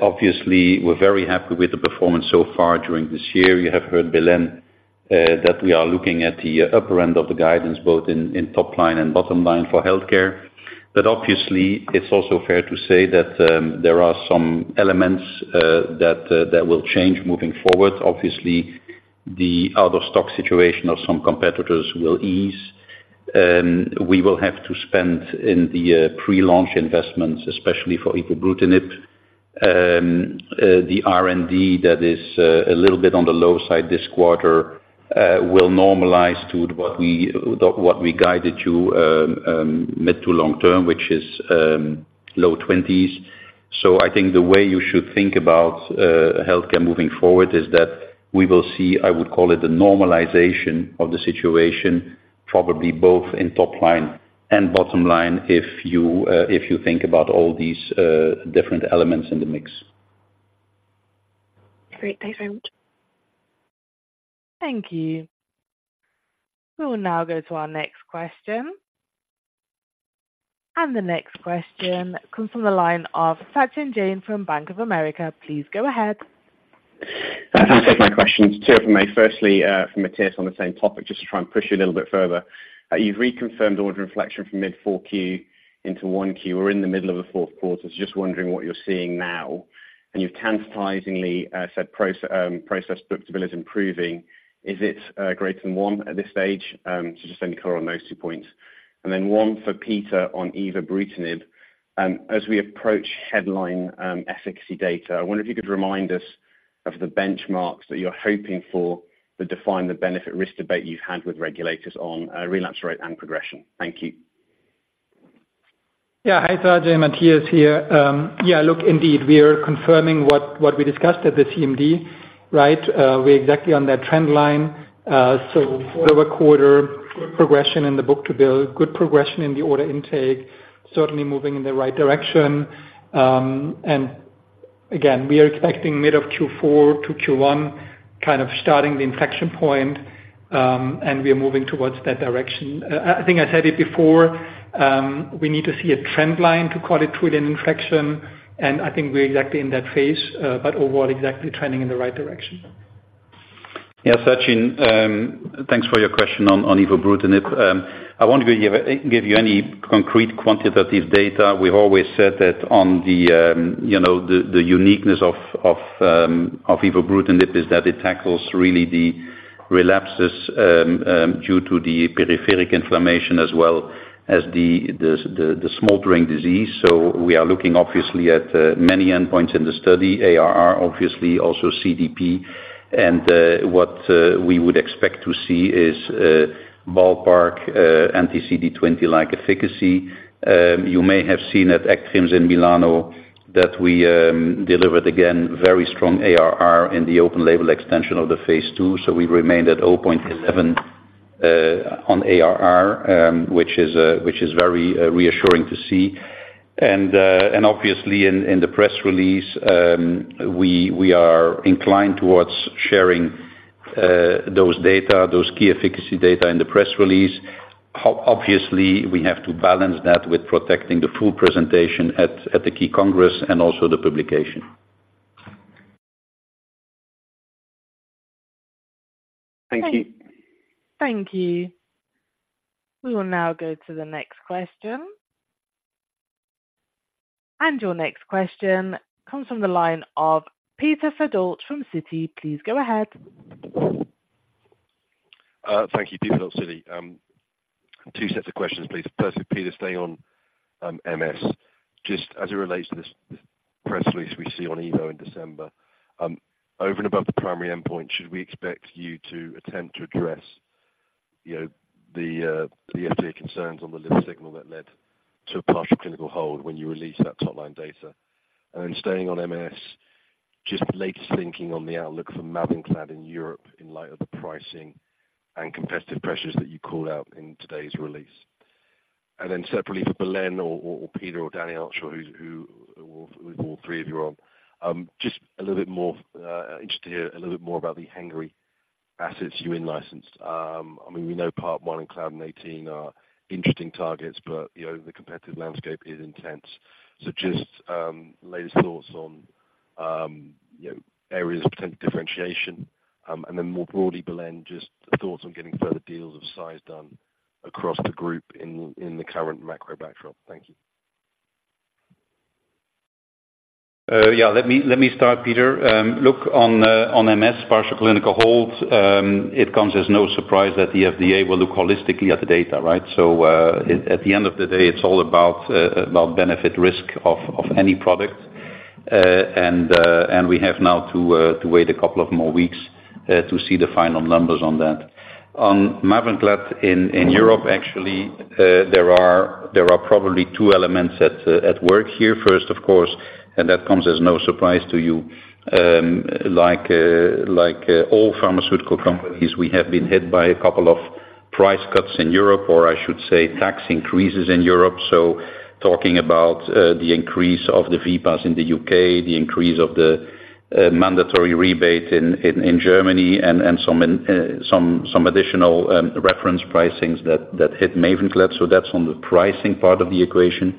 obviously we're very happy with the performance so far during this year. You have heard Belén that we are looking at the upper end of the guidance, both in top line and bottom line for Healthcare. But obviously, it's also fair to say that there are some elements that will change moving forward. Obviously, the out-of-stock situation of some competitors will ease. We will have to spend in the pre-launch investments, especially for evobrutinib. The R&D that is a little bit on the low side this quarter will normalize to what we guided you mid- to long-term, which is low twenties. So I think the way you should think about Healthcare moving forward is that we will see, I would call it, a normalization of the situation, probably both in top line and bottom line, if you think about all these different elements in the mix. Great. Thanks very much. Thank you. We will now go to our next question. The next question comes from the line of Sachin Jain from Bank of America. Please go ahead. Thanks for taking my questions. Two for me. Firstly, for Matthias on the same topic, just to try and push you a little bit further. You've reconfirmed order inflection from mid-Q4 into Q1. We're in the middle of the fourth quarter, so just wondering what you're seeing now, and you've tantalizingly said book-to-bill stability is improving. Is it greater than one at this stage? So just only cover on those two points. And then one for Peter on evobrutinib. As we approach headline efficacy data, I wonder if you could remind us of the benchmarks that you're hoping for that define the benefit risk debate you've had with regulators on relapse rate and progression. Thank you. Yeah. Hi, Sachin. Matthias here. Yeah, look, indeed, we are confirming what we discussed at the CMD, right? We're exactly on that trend line. So quarter-over-quarter, good progression in the book-to-bill, good progression in the order intake, certainly moving in the right direction. And again, we are expecting mid of Q4 to Q1, kind of starting the inflection point, and we are moving towards that direction. I think I said it before, we need to see a trend line to call it with an inflection, and I think we're exactly in that phase, but overall exactly trending in the right direction. Yeah, Sachin, thanks for your question on evobrutinib. I won't give you any concrete quantitative data. We've always said that on the, you know, the uniqueness of evobrutinib is that it tackles really the relapses due to the peripheral inflammation as well as the smoldering disease. So we are looking obviously at many endpoints in the study, ARR obviously, also CDP. And what we would expect to see is ballpark anti-CD20-like efficacy. You may have seen at ACTRIMS in Milan that we delivered again very strong ARR in the open label extension of the phase II. So we remained at 0.11 on ARR, which is very reassuring to see. And obviously in the press release, we are inclined towards sharing those data, those key efficacy data in the press release. Obviously, we have to balance that with protecting the full presentation at the key Congress and also the publication. Thank you. Thank you. We will now go to the next question. Your next question comes from the line of Peter Verdult from Citi. Please go ahead.... thank you, Peter from Citi. Two sets of questions, please. First, with Peter, stay on MS. Just as it relates to this, this press release we see on evo in December, over and above the primary endpoint, should we expect you to attempt to address, you know, the, the FDA concerns on the liver signal that led to a partial clinical hold when you released that top line data? And then staying on MS, just latest thinking on the outlook for Mavenclad in Europe, in light of the pricing and competitive pressures that you called out in today's release. And then separately for Belén or Peter or Danny Bar-Zohar, who's with all three of you on, just a little bit more interested to hear a little bit more about the Hengrui assets you in-licensed. I mean, we know PD-1 and Claudin 18 are interesting targets, but, you know, the competitive landscape is intense. So just latest thoughts on, you know, areas of potential differentiation, and then more broadly, Belén, just thoughts on getting further deals of size done across the group in the current macro backdrop. Thank you. Yeah, let me start, Peter. Look on MS, partial clinical hold, it comes as no surprise that the FDA will look holistically at the data, right? So, at the end of the day, it's all about benefit risk of any product. And we have now to wait a couple of more weeks to see the final numbers on that. On Mavenclad in Europe, actually, there are probably two elements at work here. First, of course, and that comes as no surprise to you, like all pharmaceutical companies, we have been hit by a couple of price cuts in Europe, or I should say, tax increases in Europe. So talking about the increase of the VPAS in the UK, the increase of the mandatory rebate in Germany, and some additional reference pricings that hit Mavenclad. So that's on the pricing part of the equation.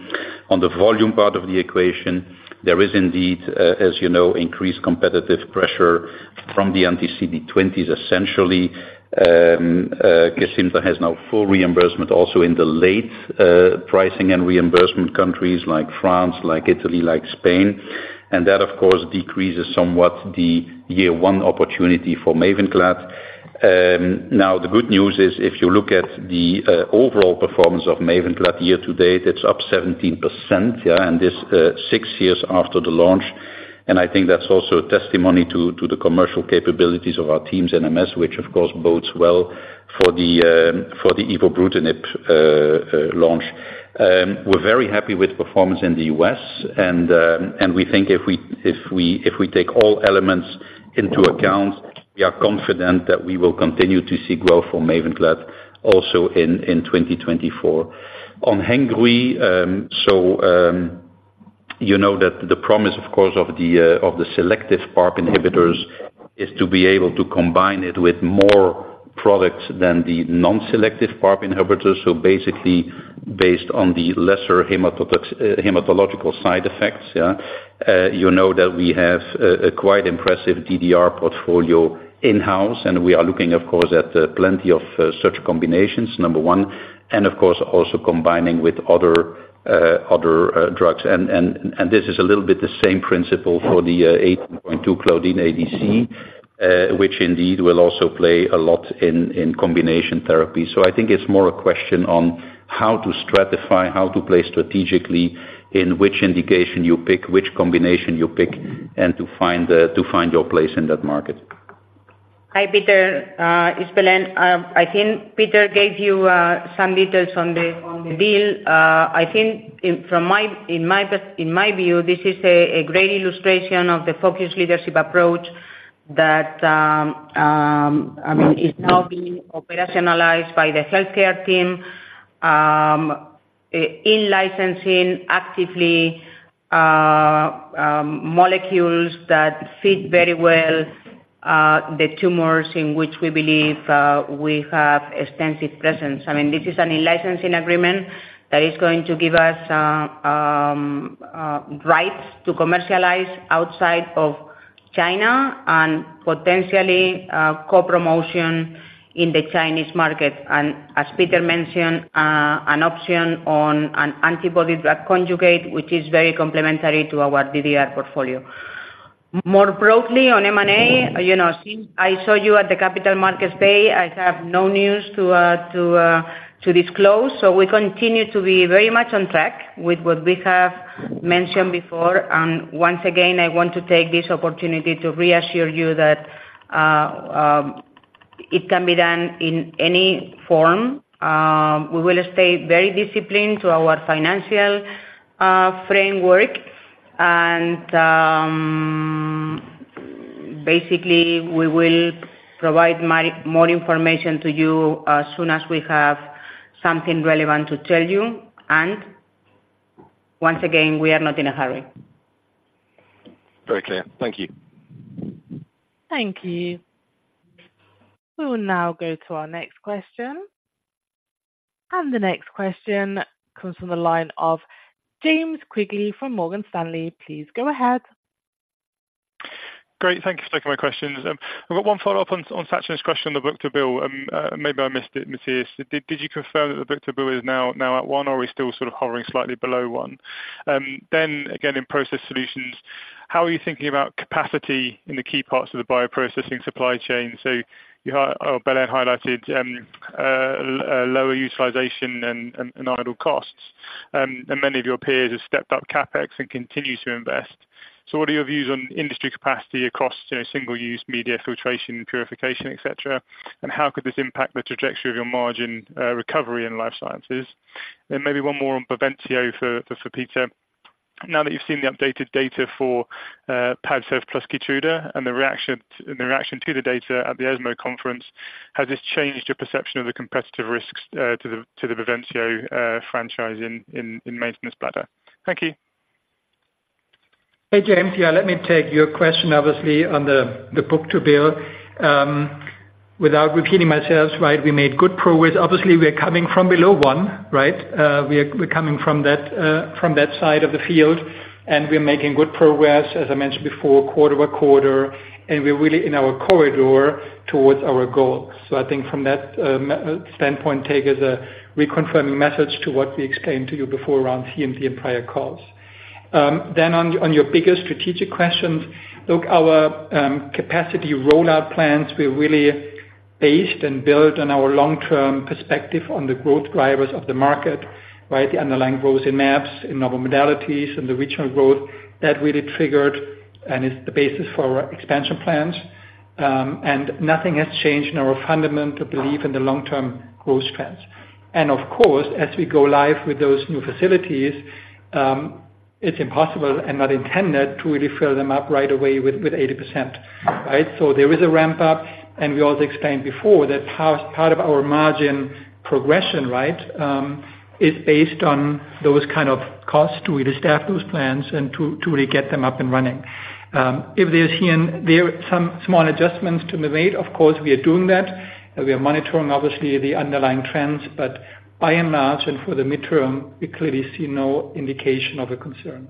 On the volume part of the equation, there is indeed, as you know, increased competitive pressure from the anti-CD20s, essentially. Kesimpta has now full reimbursement also in the latter pricing and reimbursement countries like France, like Italy, like Spain, and that, of course, decreases somewhat the year one opportunity for Mavenclad. Now, the good news is, if you look at the overall performance of Mavenclad year to date, it's up 17%, yeah, and this six years after the launch. I think that's also a testimony to the commercial capabilities of our teams in MS, which of course bodes well for the evobrutinib launch. We're very happy with performance in the US, and we think if we take all elements into account, we are confident that we will continue to see growth for Mavenclad also in 2024. On Hengrui, so you know that the promise, of course, of the selective PARP inhibitors is to be able to combine it with more products than the non-selective PARP inhibitors, so basically, based on the lesser hematological side effects, yeah. You know, that we have a, a quite impressive DDR portfolio in-house, and we are looking, of course, at plenty of, such combinations, number one, and of, course, also combining with other, other, drugs. And, and, and this is a little bit the same principle for the, Claudin 18.2 ADC, which indeed will also play a lot in, in combination therapy. So I think it's more a question on how to stratify, how to play strategically, in which indication you pick, which combination you pick, and to find, to find your place in that market. Hi, Peter, it's Belén. I think Peter gave you some details on the deal. I think in my view, this is a great illustration of the focused leadership approach that I mean is now being operationalized by the healthcare team. In licensing actively molecules that fit very well the tumors in which we believe we have extensive presence. I mean, this is an in-licensing agreement that is going to give us rights to commercialize outside of China and potentially co-promotion in the Chinese market. And as Peter mentioned, an option on an antibody drug conjugate, which is very complementary to our DDR portfolio. More broadly, on M&A, you know, since I saw you at the Capital Markets Day, I have no news to disclose, so we continue to be very much on track with what we have mentioned before. And once again, I want to take this opportunity to reassure you that it can be done in any form. We will stay very disciplined to our financial framework, and basically, we will provide more information to you as soon as we have something relevant to tell you. And once again, we are not in a hurry. Very clear. Thank you. Thank you. We will now go to our next question. The next question comes from the line of James Quigley from Morgan Stanley. Please go ahead. Great. Thank you for taking my questions. I've got one follow-up on Sachin's question, on the book to bill, maybe I missed it, Matthias. Did you confirm that the book to bill is now at one, or are we still sort of hovering slightly below one? Then again, in Process Solutions, how are you thinking about capacity in the key parts of the bioprocessing supply chain? So Belén highlighted lower utilization and idle costs. And many of your peers have stepped up CapEx and continue to invest. So what are your views on industry capacity across, you know, single-use media, filtration, purification, et cetera? And how could this impact the trajectory of your margin recovery in Life Sciences? And maybe one more on Bavencio for Peter. Now that you've seen the updated data for Padcev plus Keytruda, and the reaction, and the reaction to the data at the ESMO conference, has this changed your perception of the competitive risks to the Bavencio franchise in maintenance bladder? Thank you. Hey, James. Yeah, let me take your question, obviously, on the book-to-bill. Without repeating myself, right, we made good progress. Obviously, we are coming from below 1, right? We're coming from that, from that side of the field, and we're making good progress, as I mentioned before, quarter-over-quarter, and we're really in our corridor towards our goal. So I think from that standpoint, take as a reconfirming message to what we explained to you before around CMC and prior calls. Then on your bigger strategic questions, look, our capacity rollout plans, we're really based and built on our long-term perspective on the growth drivers of the market, right? The underlying growth in meds, in novel modalities, and the regional growth that really triggered and is the basis for our expansion plans. Nothing has changed in our fundamental belief in the long-term growth trends. Of course, as we go live with those new facilities, it's impossible and not intended to really fill them up right away with 80%, right? There is a ramp-up, and we also explained before that part of our margin progression, right, is based on those kind of costs, to really staff those plants and to really get them up and running. If there's here and there some small adjustments to be made, of course, we are doing that, and we are monitoring, obviously, the underlying trends. By and large, and for the midterm, we clearly see no indication of a concern.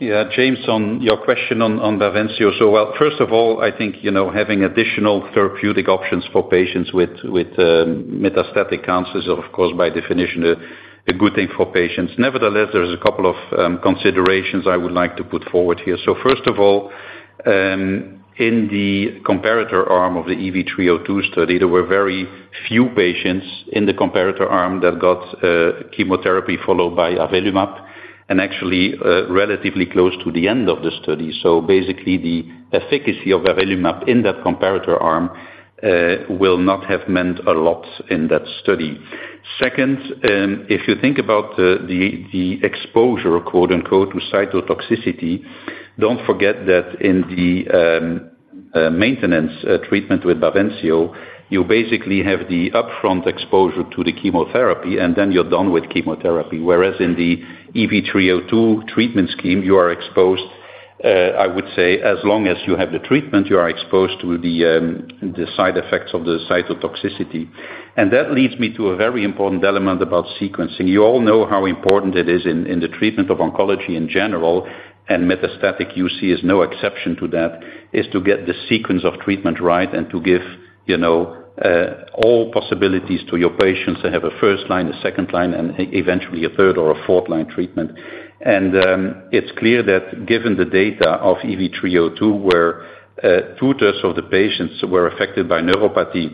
Yeah, James, on your question on Bavencio. So well, first of all, I think, you know, having additional therapeutic options for patients with metastatic cancers are, of course, by definition, a good thing for patients. Nevertheless, there's a couple of considerations I would like to put forward here. So first of all, in the comparator arm of the EV-302 study, there were very few patients in the comparator arm that got chemotherapy, followed by avelumab, and actually, relatively close to the end of the study. So basically, the efficacy of avelumab in that comparator arm will not have meant a lot in that study. Second, if you think about the exposure, quote unquote, "to cytotoxicity," don't forget that in the maintenance treatment with Bavencio, you basically have the upfront exposure to the chemotherapy, and then you're done with chemotherapy. Whereas in the EV-302 treatment scheme, you are exposed, I would say, as long as you have the treatment, you are exposed to the side effects of the cytotoxicity. That leads me to a very important element about sequencing. You all know how important it is in the treatment of oncology in general, and metastatic UC is no exception to that, is to get the sequence of treatment right, and to give, you know, all possibilities to your patients to have a first line, a second line, and eventually a third or a fourth-line treatment. It's clear that given the data of EV-302, where 2/3 of the patients were affected by neuropathy,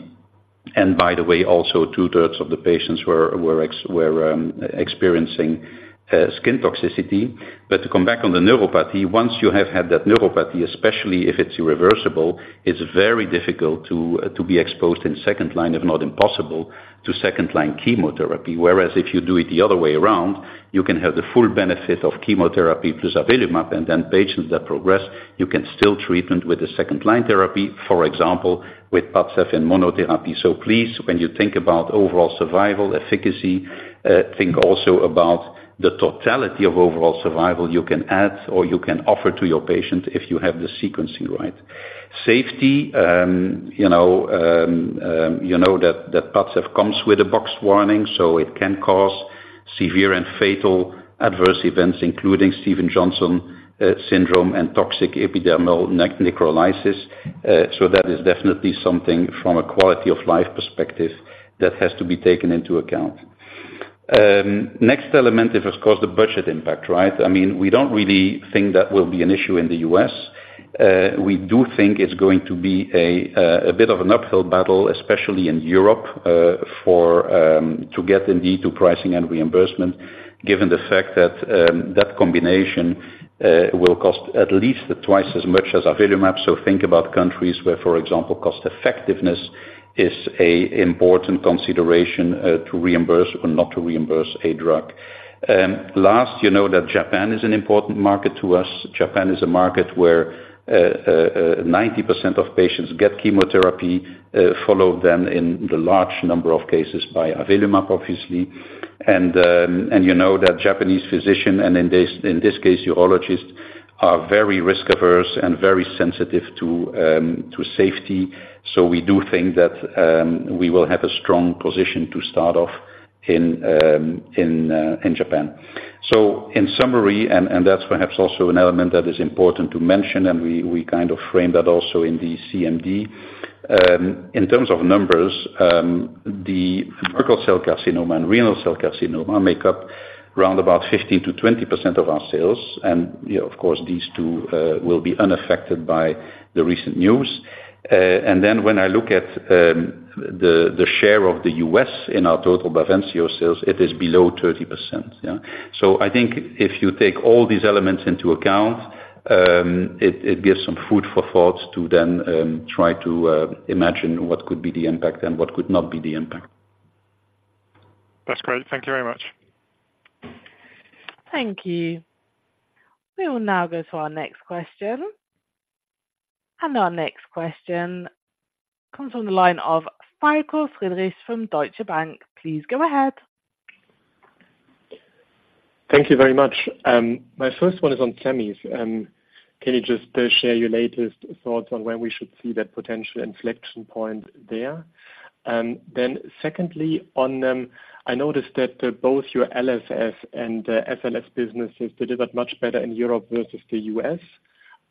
and by the way, also 2/3 of the patients were experiencing skin toxicity. But to come back on the neuropathy, once you have had that neuropathy, especially if it's irreversible, it's very difficult to be exposed in second-line, if not impossible, to second-line chemotherapy. Whereas if you do it the other way around, you can have the full benefit of chemotherapy plus avelumab, and then patients that progress, you can still treatment with the second-line therapy, for example, with Padcev and monotherapy. So please, when you think about overall survival efficacy, think also about the totality of overall survival you can add or you can offer to your patient if you have the sequencing right. Safety, you know, you know that Padcev comes with a box warning, so it can cause severe and fatal adverse events, including Stevens-Johnson syndrome and toxic epidermal necrolysis. So that is definitely something from a quality-of-life perspective that has to be taken into account. Next element is, of course, the budget impact, right? I mean, we don't really think that will be an issue in the U.S. We do think it's going to be a bit of an uphill battle, especially in Europe, for to get indeed to pricing and reimbursement, given the fact that that combination will cost at least twice as much as avelumab. So think about countries where, for example, cost effectiveness is a important consideration to reimburse or not to reimburse a drug. Last, you know that Japan is an important market to us. Japan is a market where 90% of patients get chemotherapy, followed then in the large number of cases by avelumab, obviously. And you know that Japanese physician, and in this case, urologists, are very risk-averse and very sensitive to safety. So we do think that we will have a strong position to start off in Japan. So in summary, and that's perhaps also an element that is important to mention, and we kind of framed that also in the CMD. In terms of numbers, the urothelial cell carcinoma and renal cell carcinoma make up round about 15%-20% of our sales, and you know, of course, these two will be unaffected by the recent news. And then when I look at the share of the U.S. in our total Bavencio sales, it is below 30%, yeah? So I think if you take all these elements into account, it gives some food for thought to then try to imagine what could be the impact and what could not be the impact. That's great. Thank you very much. Thank you. We will now go to our next question. Our next question comes from the line of Michael Leuchten from Deutsche Bank. Please go ahead. Thank you very much. My first one is on Semis. Can you just share your latest thoughts on when we should see that potential inflection point there? And then secondly, on, I noticed that both your LSS and SLS businesses delivered much better in Europe versus the US. Can you,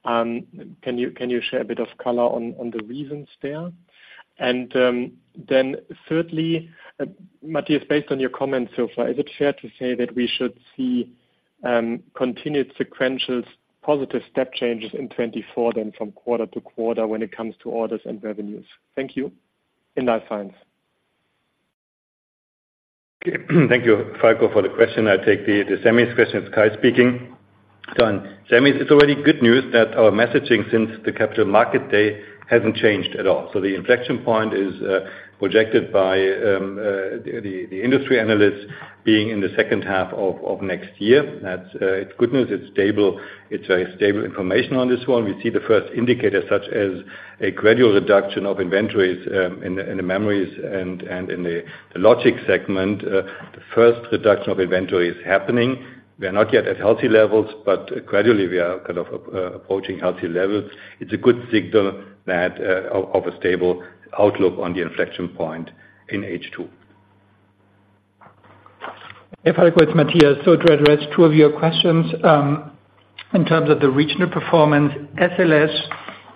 can you share a bit of color on the reasons there? And then thirdly, Matthias, based on your comments so far, is it fair to say that we should see continued sequential positive step changes in 2024, then from quarter to quarter when it comes to orders and revenues? Thank you. In Life Science. Thank you, Michael, for the question. I take the Semis question, Kai speaking. So on Semis, it's already good news that our messaging since the Capital Markets Day hasn't changed at all. So the inflection point is projected by the industry analysts being in the second half of next year. That's, it's good news, it's stable. It's stable information on this one. We see the first indicators, such as a gradual reduction of inventories in the memories and in the logic segment. The first reduction of inventory is happening. We are not yet at healthy levels, but gradually we are kind of approaching healthy levels. It's a good signal that of a stable outlook on the inflection point in H2. Hey, Michael, it's Matthias. So to address two of your questions, in terms of the regional performance, SLS,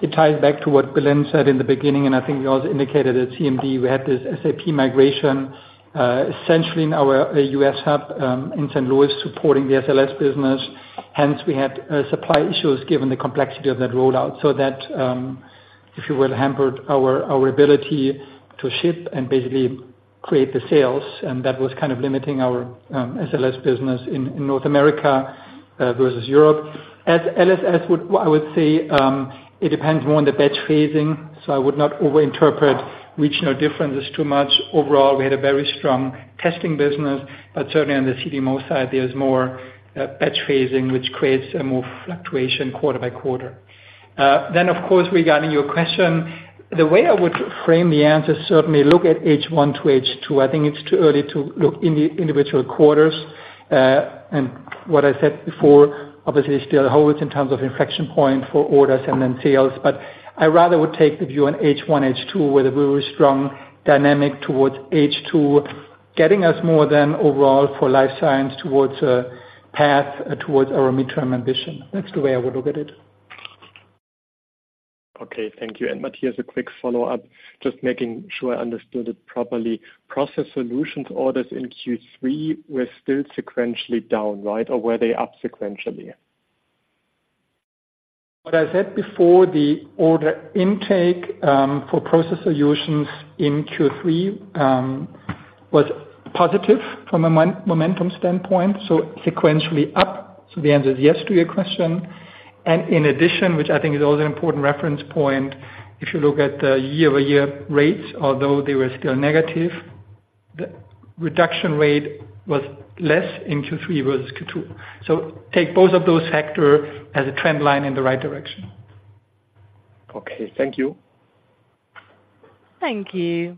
it ties back to what Guenter said in the beginning, and I think we also indicated at CMD, we had this SAP migration, essentially in our U.S. hub in St. Louis, supporting the SLS business. Hence, we had supply issues, given the complexity of that rollout. So that, if you will, hampered our ability to ship and basically create the sales, and that was kind of limiting our SLS business in North America versus Europe. At LSS, I would say it depends more on the batch phasing, so I would not overinterpret regional differences too much. Overall, we had a very strong testing business, but certainly on the CDMO side, there's more batch phasing, which creates more fluctuation quarter by quarter. Then, of course, regarding your question, the way I would frame the answer, certainly look at H1 to H2. I think it's too early to look in the individual quarters. And what I said before obviously still holds in terms of inflection point for orders and then sales. But I rather would take the view on H1, H2, with a very strong dynamic towards H2, getting us more than overall for Life Science, towards a path towards our mid-term ambition. That's the way I would look at it. Okay, thank you. Matthias, a quick follow-up, just making sure I understood it properly. Process solutions orders in Q3 were still sequentially down, right? Or were they up sequentially? What I said before, the order intake for Process Solutions in Q3 was positive from a momentum standpoint, so sequentially up. So the answer is yes to your question. And in addition, which I think is also an important reference point, if you look at the year-over-year rates, although they were still negative, the reduction rate was less in Q3 versus Q2. So take both of those factor as a trend line in the right direction. Okay, thank you. Thank you.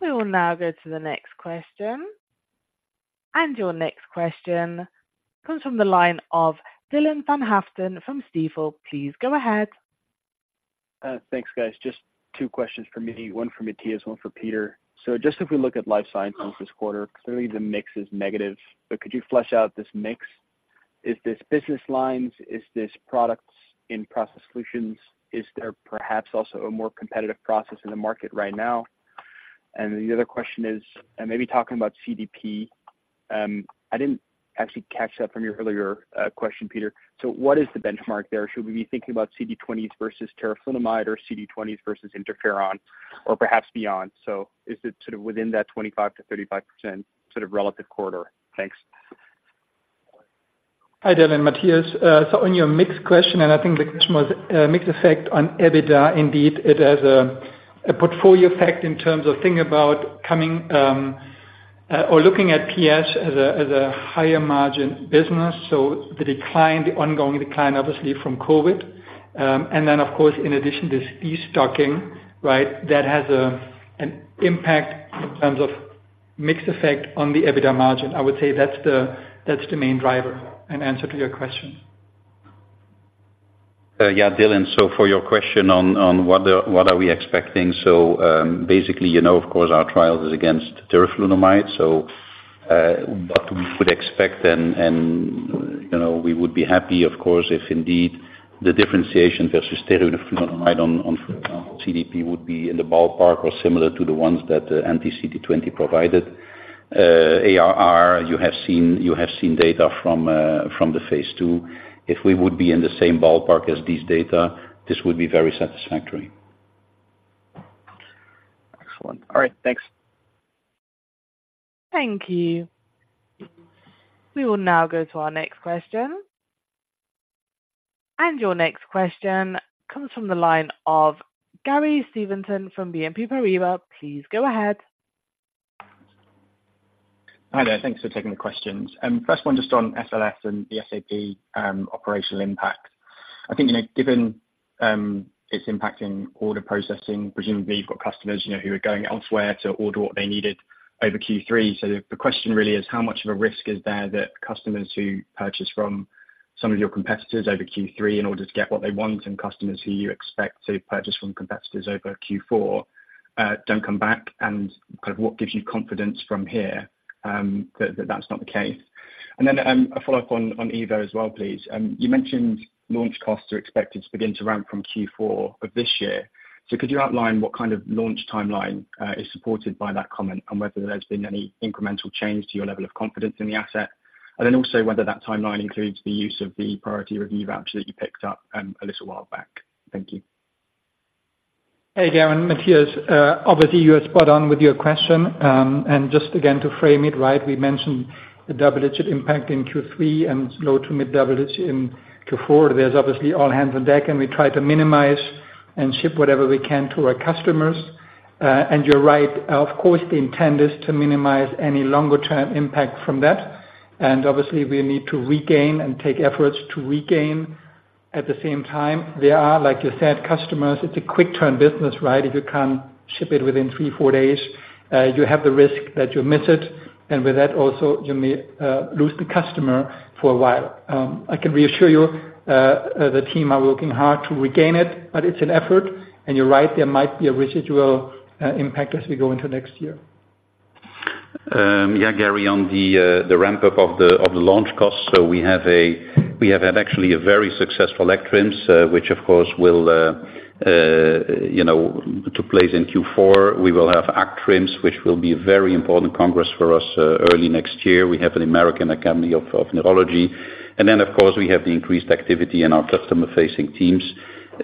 We will now go to the next question. Your next question comes from the line of Dylan van Haaften from Stifel. Please go ahead. Thanks, guys. Just two questions for me, one for Matthias, one for Peter. So just if we look at Life Science this quarter, clearly the mix is negative, but could you flesh out this mix? Is this business lines? Is this products in Process Solutions? Is there perhaps also a more competitive process in the market right now? And the other question is, and maybe talking about CDP, I didn't actually catch that from your earlier question, Peter. So what is the benchmark there? Should we be thinking about CD20 versus teriflunomide or CD20 versus interferon, or perhaps beyond? So is it sort of within that 25%-35%, sort of, relative quarter? Thanks. Hi, Dylan, Matthias. So on your mix question, and I think the question was, mixed effect on EBITDA, indeed, it has, a portfolio effect in terms of thinking about coming, or looking at PS as a, as a higher margin business. So the decline, the ongoing decline, obviously from COVID. And then, of course, in addition, this de-stocking, right? That has, an impact in terms of mixed effect on the EBITDA margin. I would say that's the, that's the main driver in answer to your question. Yeah, Dylan, so for your question on what are we expecting? So, basically, you know, of course, our trial is against teriflunomide. So, what we would expect and, you know, we would be happy, of course, if indeed the differentiation versus teriflunomide on CDP would be in the ballpark or similar to the ones that anti-CD20 provided. ARR, you have seen data from the phase two. If we would be in the same ballpark as these data, this would be very satisfactory. Excellent. All right, thanks. Thank you. We will now go to our next question. Your next question comes from the line of Gary Steventon from BNP Paribas. Please go ahead. Hi there. Thanks for taking the questions. First one, just on SLS and the SAP, operational impact. I think, you know, given its impact in order processing, presumably you've got customers, you know, who are going elsewhere to order what they needed over Q3. So the question really is: how much of a risk is there that customers who purchase from some of your competitors over Q3 in order to get what they want, and customers who you expect to purchase from competitors over Q4, don't come back, and kind of what gives you confidence from here, that that's not the case? And then, a follow-up on Evo as well, please. You mentioned launch costs are expected to begin to ramp from Q4 of this year. So could you outline what kind of launch timeline is supported by that comment, and whether there's been any incremental change to your level of confidence in the asset? And then also whether that timeline includes the use of the priority review voucher that you picked up a little while back. Thank you. Hey, Gary and Matthias, obviously you are spot on with your question. And just again, to frame it right, we mentioned the double-digit impact in Q3 and low to mid double digit in Q4. There's obviously all hands on deck, and we try to minimize and ship whatever we can to our customers. And you're right, of course, the intent is to minimize any longer term impact from that. And obviously, we need to regain and take efforts to regain. At the same time, there are, like you said, customers, it's a quick turn business, right? If you can't ship it within three to four days, you have the risk that you'll miss it, and with that also, you may lose the customer for a while. I can reassure you, the team are working hard to regain it, but it's an effort, and you're right, there might be a residual impact as we go into next year. Yeah, Gary, on the ramp up of the launch costs. So we have had actually a very successful ACTRIMS, which of course, will, you know, took place in Q4. We will have ACTRIMS, which will be a very important congress for us, early next year. We have an American Academy of Neurology. And then, of course, we have the increased activity in our customer-facing teams,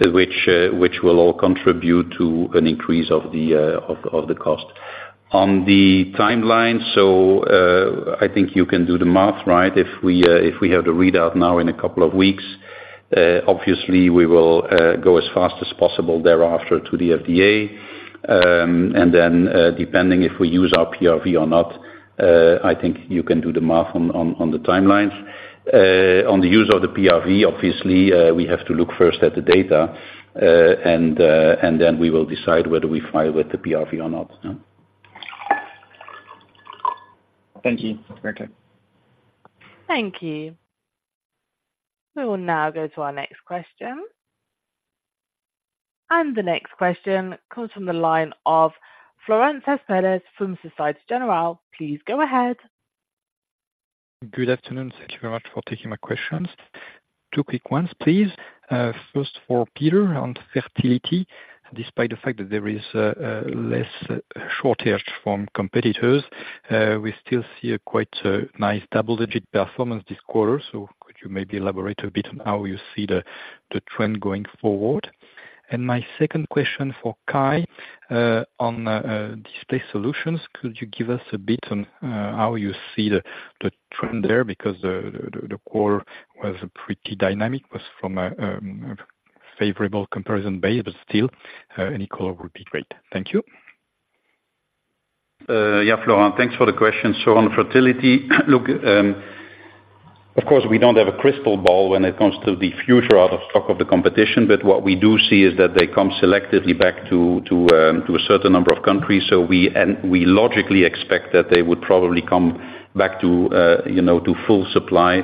which will all contribute to an increase of the cost. On the timeline, so, I think you can do the math, right? If we have the readout now in a couple of weeks, obviously we will go as fast as possible thereafter to the FDA. And then, depending if we use our PRV or not, I think you can do the math on the timelines. On the use of the PRV, obviously, we have to look first at the data, and then we will decide whether we file with the PRV or not. Thank you. Great day. Thank you. We will now go to our next question. The next question comes from the line of Florent Cespedes from Société Générale. Please go ahead. Good afternoon. Thank you very much for taking my questions. Two quick ones, please. First for Peter on fertility. Despite the fact that there is less shortage from competitors, we still see a quite nice double-digit performance this quarter. So could you maybe elaborate a bit on how you see the trend going forward? And my second question for Kai, on Display Solutions. Could you give us a bit on how you see the trend there? Because the core was pretty dynamic, was from a favorable comparison base, but still, any color would be great. Thank you. Yeah, Florent, thanks for the question. So on fertility, look, of course, we don't have a crystal ball when it comes to the future out of stock of the competition, but what we do see is that they come selectively back to, to, a certain number of countries. So we logically expect that they would probably come back to, you know, to full supply,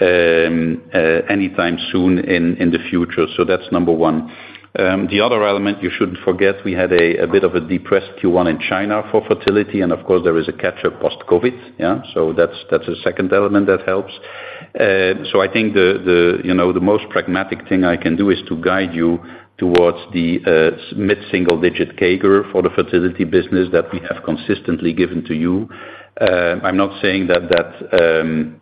anytime soon in the future. So that's number one. The other element, you shouldn't forget, we had a bit of a depressed Q1 in China for fertility, and of course, there is a catch-up post-COVID. Yeah, so that's a second element that helps. So I think you know, the most pragmatic thing I can do is to guide you towards the mid-single digit CAGR for the fertility business that we have consistently given to you. I'm not saying that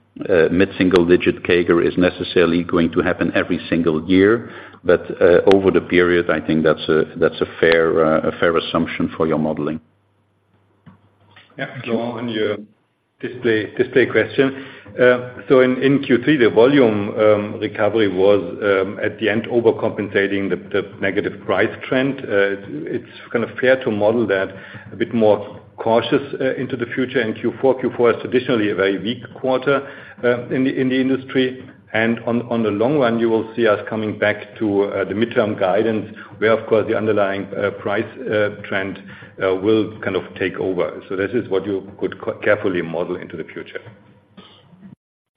mid-single digit CAGR is necessarily going to happen every single year, but over the period, I think that's a fair assumption for your modeling. Yeah, so on your display, display question. So in Q3, the volume recovery was, at the end, overcompensating the negative price trend. It's kind of fair to model that a bit more cautious into the future in Q4. Q4 is traditionally a very weak quarter in the industry. And on the long run, you will see us coming back to the midterm guidance, where, of course, the underlying price trend will kind of take over. So this is what you could carefully model into the future.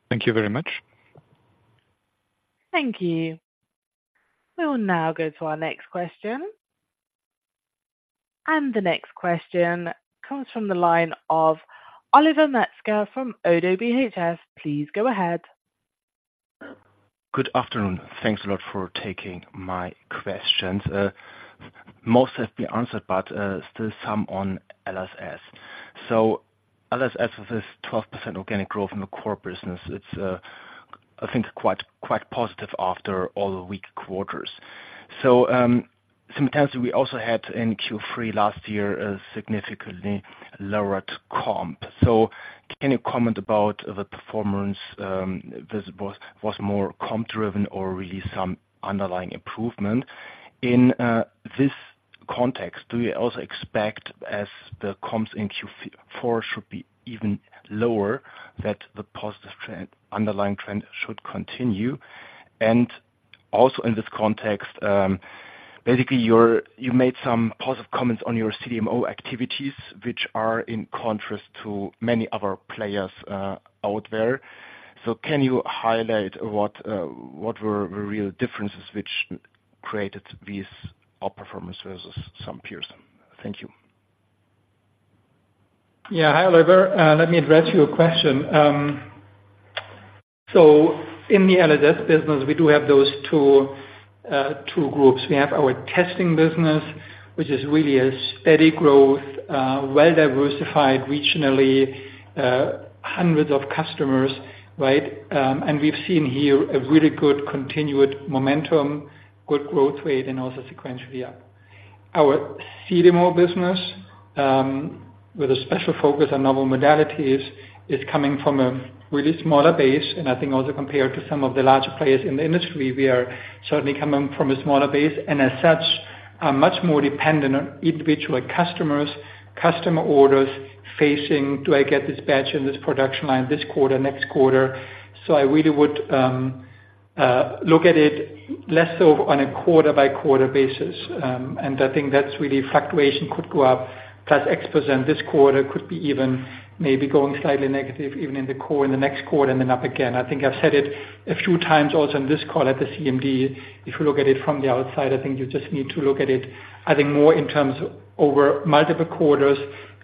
Thank you very much. Thank you. We will now go to our next question. The next question comes from the line of Oliver Metzger from ODDO BHF. Please go ahead.... Good afternoon. Thanks a lot for taking my questions. Most have been answered, but still some on LSS. So LSS is 12% organic growth in the core business. It's, I think, quite, quite positive after all the weak quarters. So, simultaneously, we also had in Q3 last year, a significantly lowered comp. So can you comment about the performance, this was more comp driven or really some underlying improvement? In, this context, do you also expect, as the comps in Q4 should be even lower, that the positive trend, underlying trend should continue? And also, in this context, basically, you made some positive comments on your CDMO activities, which are in contrast to many other players, out there. So can you highlight what, what were the real differences which created these outperformance versus some peers? Thank you. Yeah. Hi, Oliver. Let me address your question. So in the LSS business, we do have those two groups. We have our testing business, which is really a steady growth, well-diversified regionally, hundreds of customers, right? And we've seen here a really good continued momentum, good growth rate, and also sequentially up. Our CDMO business, with a special focus on novel modalities, is coming from a really smaller base, and I think also compared to some of the larger players in the industry, we are certainly coming from a smaller base, and as such, are much more dependent on individual customers, customer orders facing, "Do I get this batch in this production line, this quarter, next quarter?" So I really would look at it less so on a quarter-by-quarter basis. And I think that's really fluctuation could go up, plus X% this quarter, could be even maybe going slightly negative, even in the core, in the next quarter, and then up again. I think I've said it a few times also in this call, at the CMD, if you look at it from the outside, I think you just need to look at it, I think, more in terms of over multiple quarters.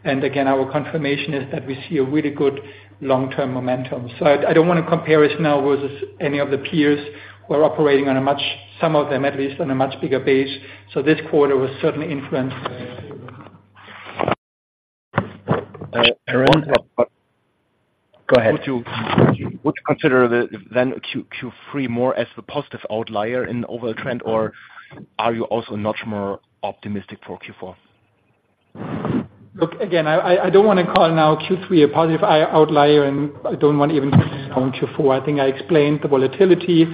And again, our confirmation is that we see a really good long-term momentum. So I don't wanna compare us now with any of the peers who are operating on a much, some of them, at least, on a much bigger base. So this quarter was certainly influenced. Go ahead. Would you consider then Q3 more as the positive outlier in the overall trend, or are you also much more optimistic for Q4? Look, again, I don't wanna call now Q3 a positive outlier, and I don't want to even comment Q4. I think I explained the volatility.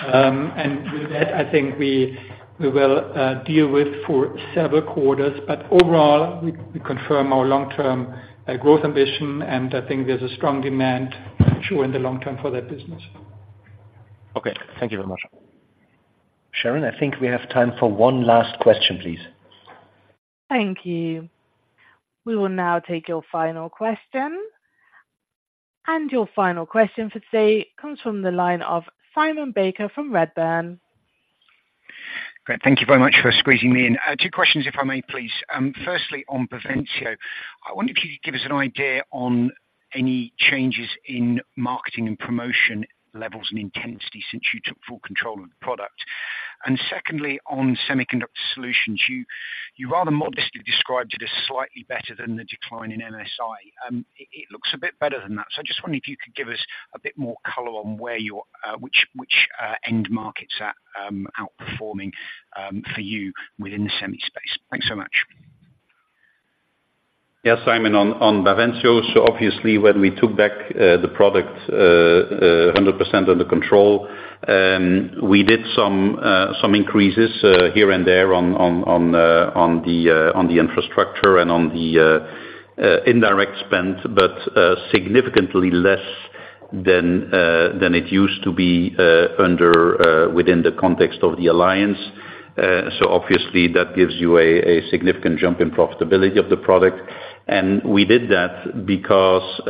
And with that, I think we will deal with for several quarters. But overall, we confirm our long-term growth ambition, and I think there's a strong demand sure in the long term for that business. Okay. Thank you very much. Sharon, I think we have time for one last question, please. Thank you. We will now take your final question. Your final question for today comes from the line of Simon Baker from Redburn. Great. Thank you very much for squeezing me in. Two questions, if I may, please. Firstly, on Bavencio. I wonder if you could give us an idea on any changes in marketing and promotion levels and intensity since you took full control of the product. And secondly, on Semiconductor Solutions, you rather modestly described it as slightly better than the decline in MSI. It looks a bit better than that. So I just wondered if you could give us a bit more color on where your which end markets are outperforming for you within the semi space. Thanks so much. Yeah, Simon, on Bavencio. So obviously, when we took back the product, 100% under control, we did some increases here and there on the infrastructure and on the indirect spend, but significantly less than it used to be under within the context of the alliance. So obviously, that gives you a significant jump in profitability of the product. And we did that because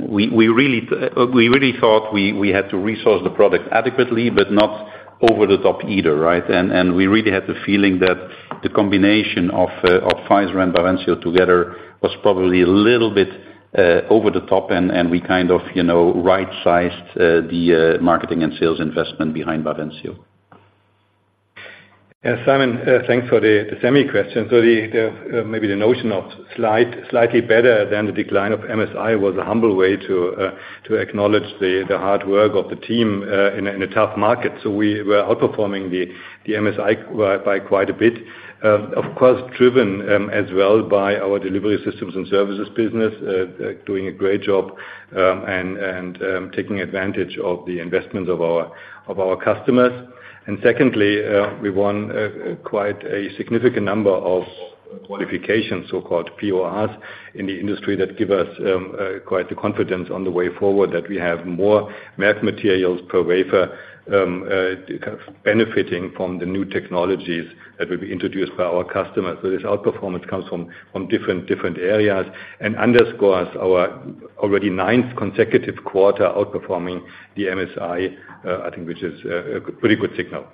we really thought we had to resource the product adequately, but not over the top either, right? And we really had the feeling that the combination of Pfizer and Bavencio together was probably a little bit over the top, and we kind of, you know, right-sized the marketing and sales investment behind Bavencio. Yeah, Simon, thanks for the semi question. So the maybe the notion of slightly better than the decline of MSI was a humble way to acknowledge the hard work of the team in a tough market. So we were outperforming the MSI by quite a bit. Of course, driven as well by our Delivery Systems & Services business doing a great job and taking advantage of the investments of our customers. And secondly, we won quite a significant number of qualifications, so-called PORs, in the industry that give us quite the confidence on the way forward, that we have more Merck materials per wafer kind of benefiting from the new technologies that will be introduced by our customers. So this outperformance comes from different areas and underscores our already ninth consecutive quarter outperforming the MSI, I think, which is a pretty good signal.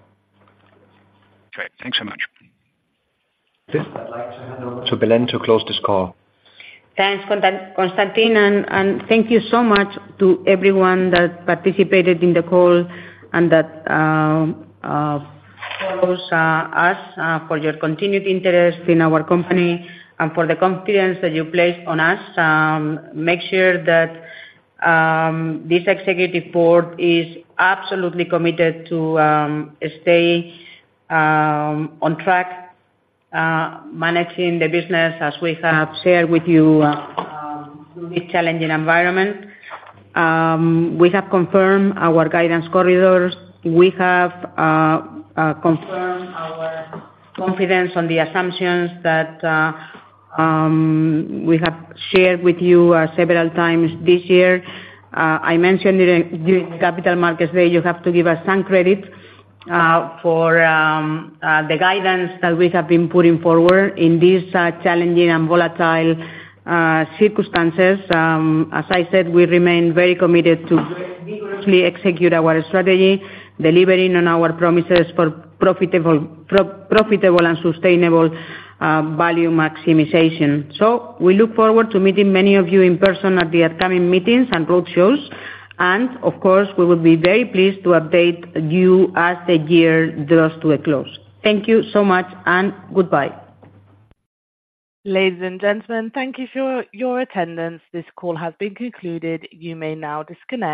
Great. Thanks so much. I'd like to hand over to Belén to close this call. Thanks, Constantin, and thank you so much to everyone that participated in the call and that follows us for your continued interest in our company and for the confidence that you place on us. Make sure that this executive board is absolutely committed to stay on track managing the business as we have shared with you through this challenging environment. We have confirmed our guidance corridors. We have confirmed our confidence on the assumptions that we have shared with you several times this year. I mentioned during the Capital Markets Day, you have to give us some credit for the guidance that we have been putting forward in these challenging and volatile circumstances. As I said, we remain very committed to vigorously execute our strategy, delivering on our promises for profitable and sustainable value maximization. We look forward to meeting many of you in person at the upcoming meetings and roadshows, and of course, we will be very pleased to update you as the year draws to a close. Thank you so much, and goodbye. Ladies and gentlemen, thank you for your attendance. This call has been concluded. You may now disconnect.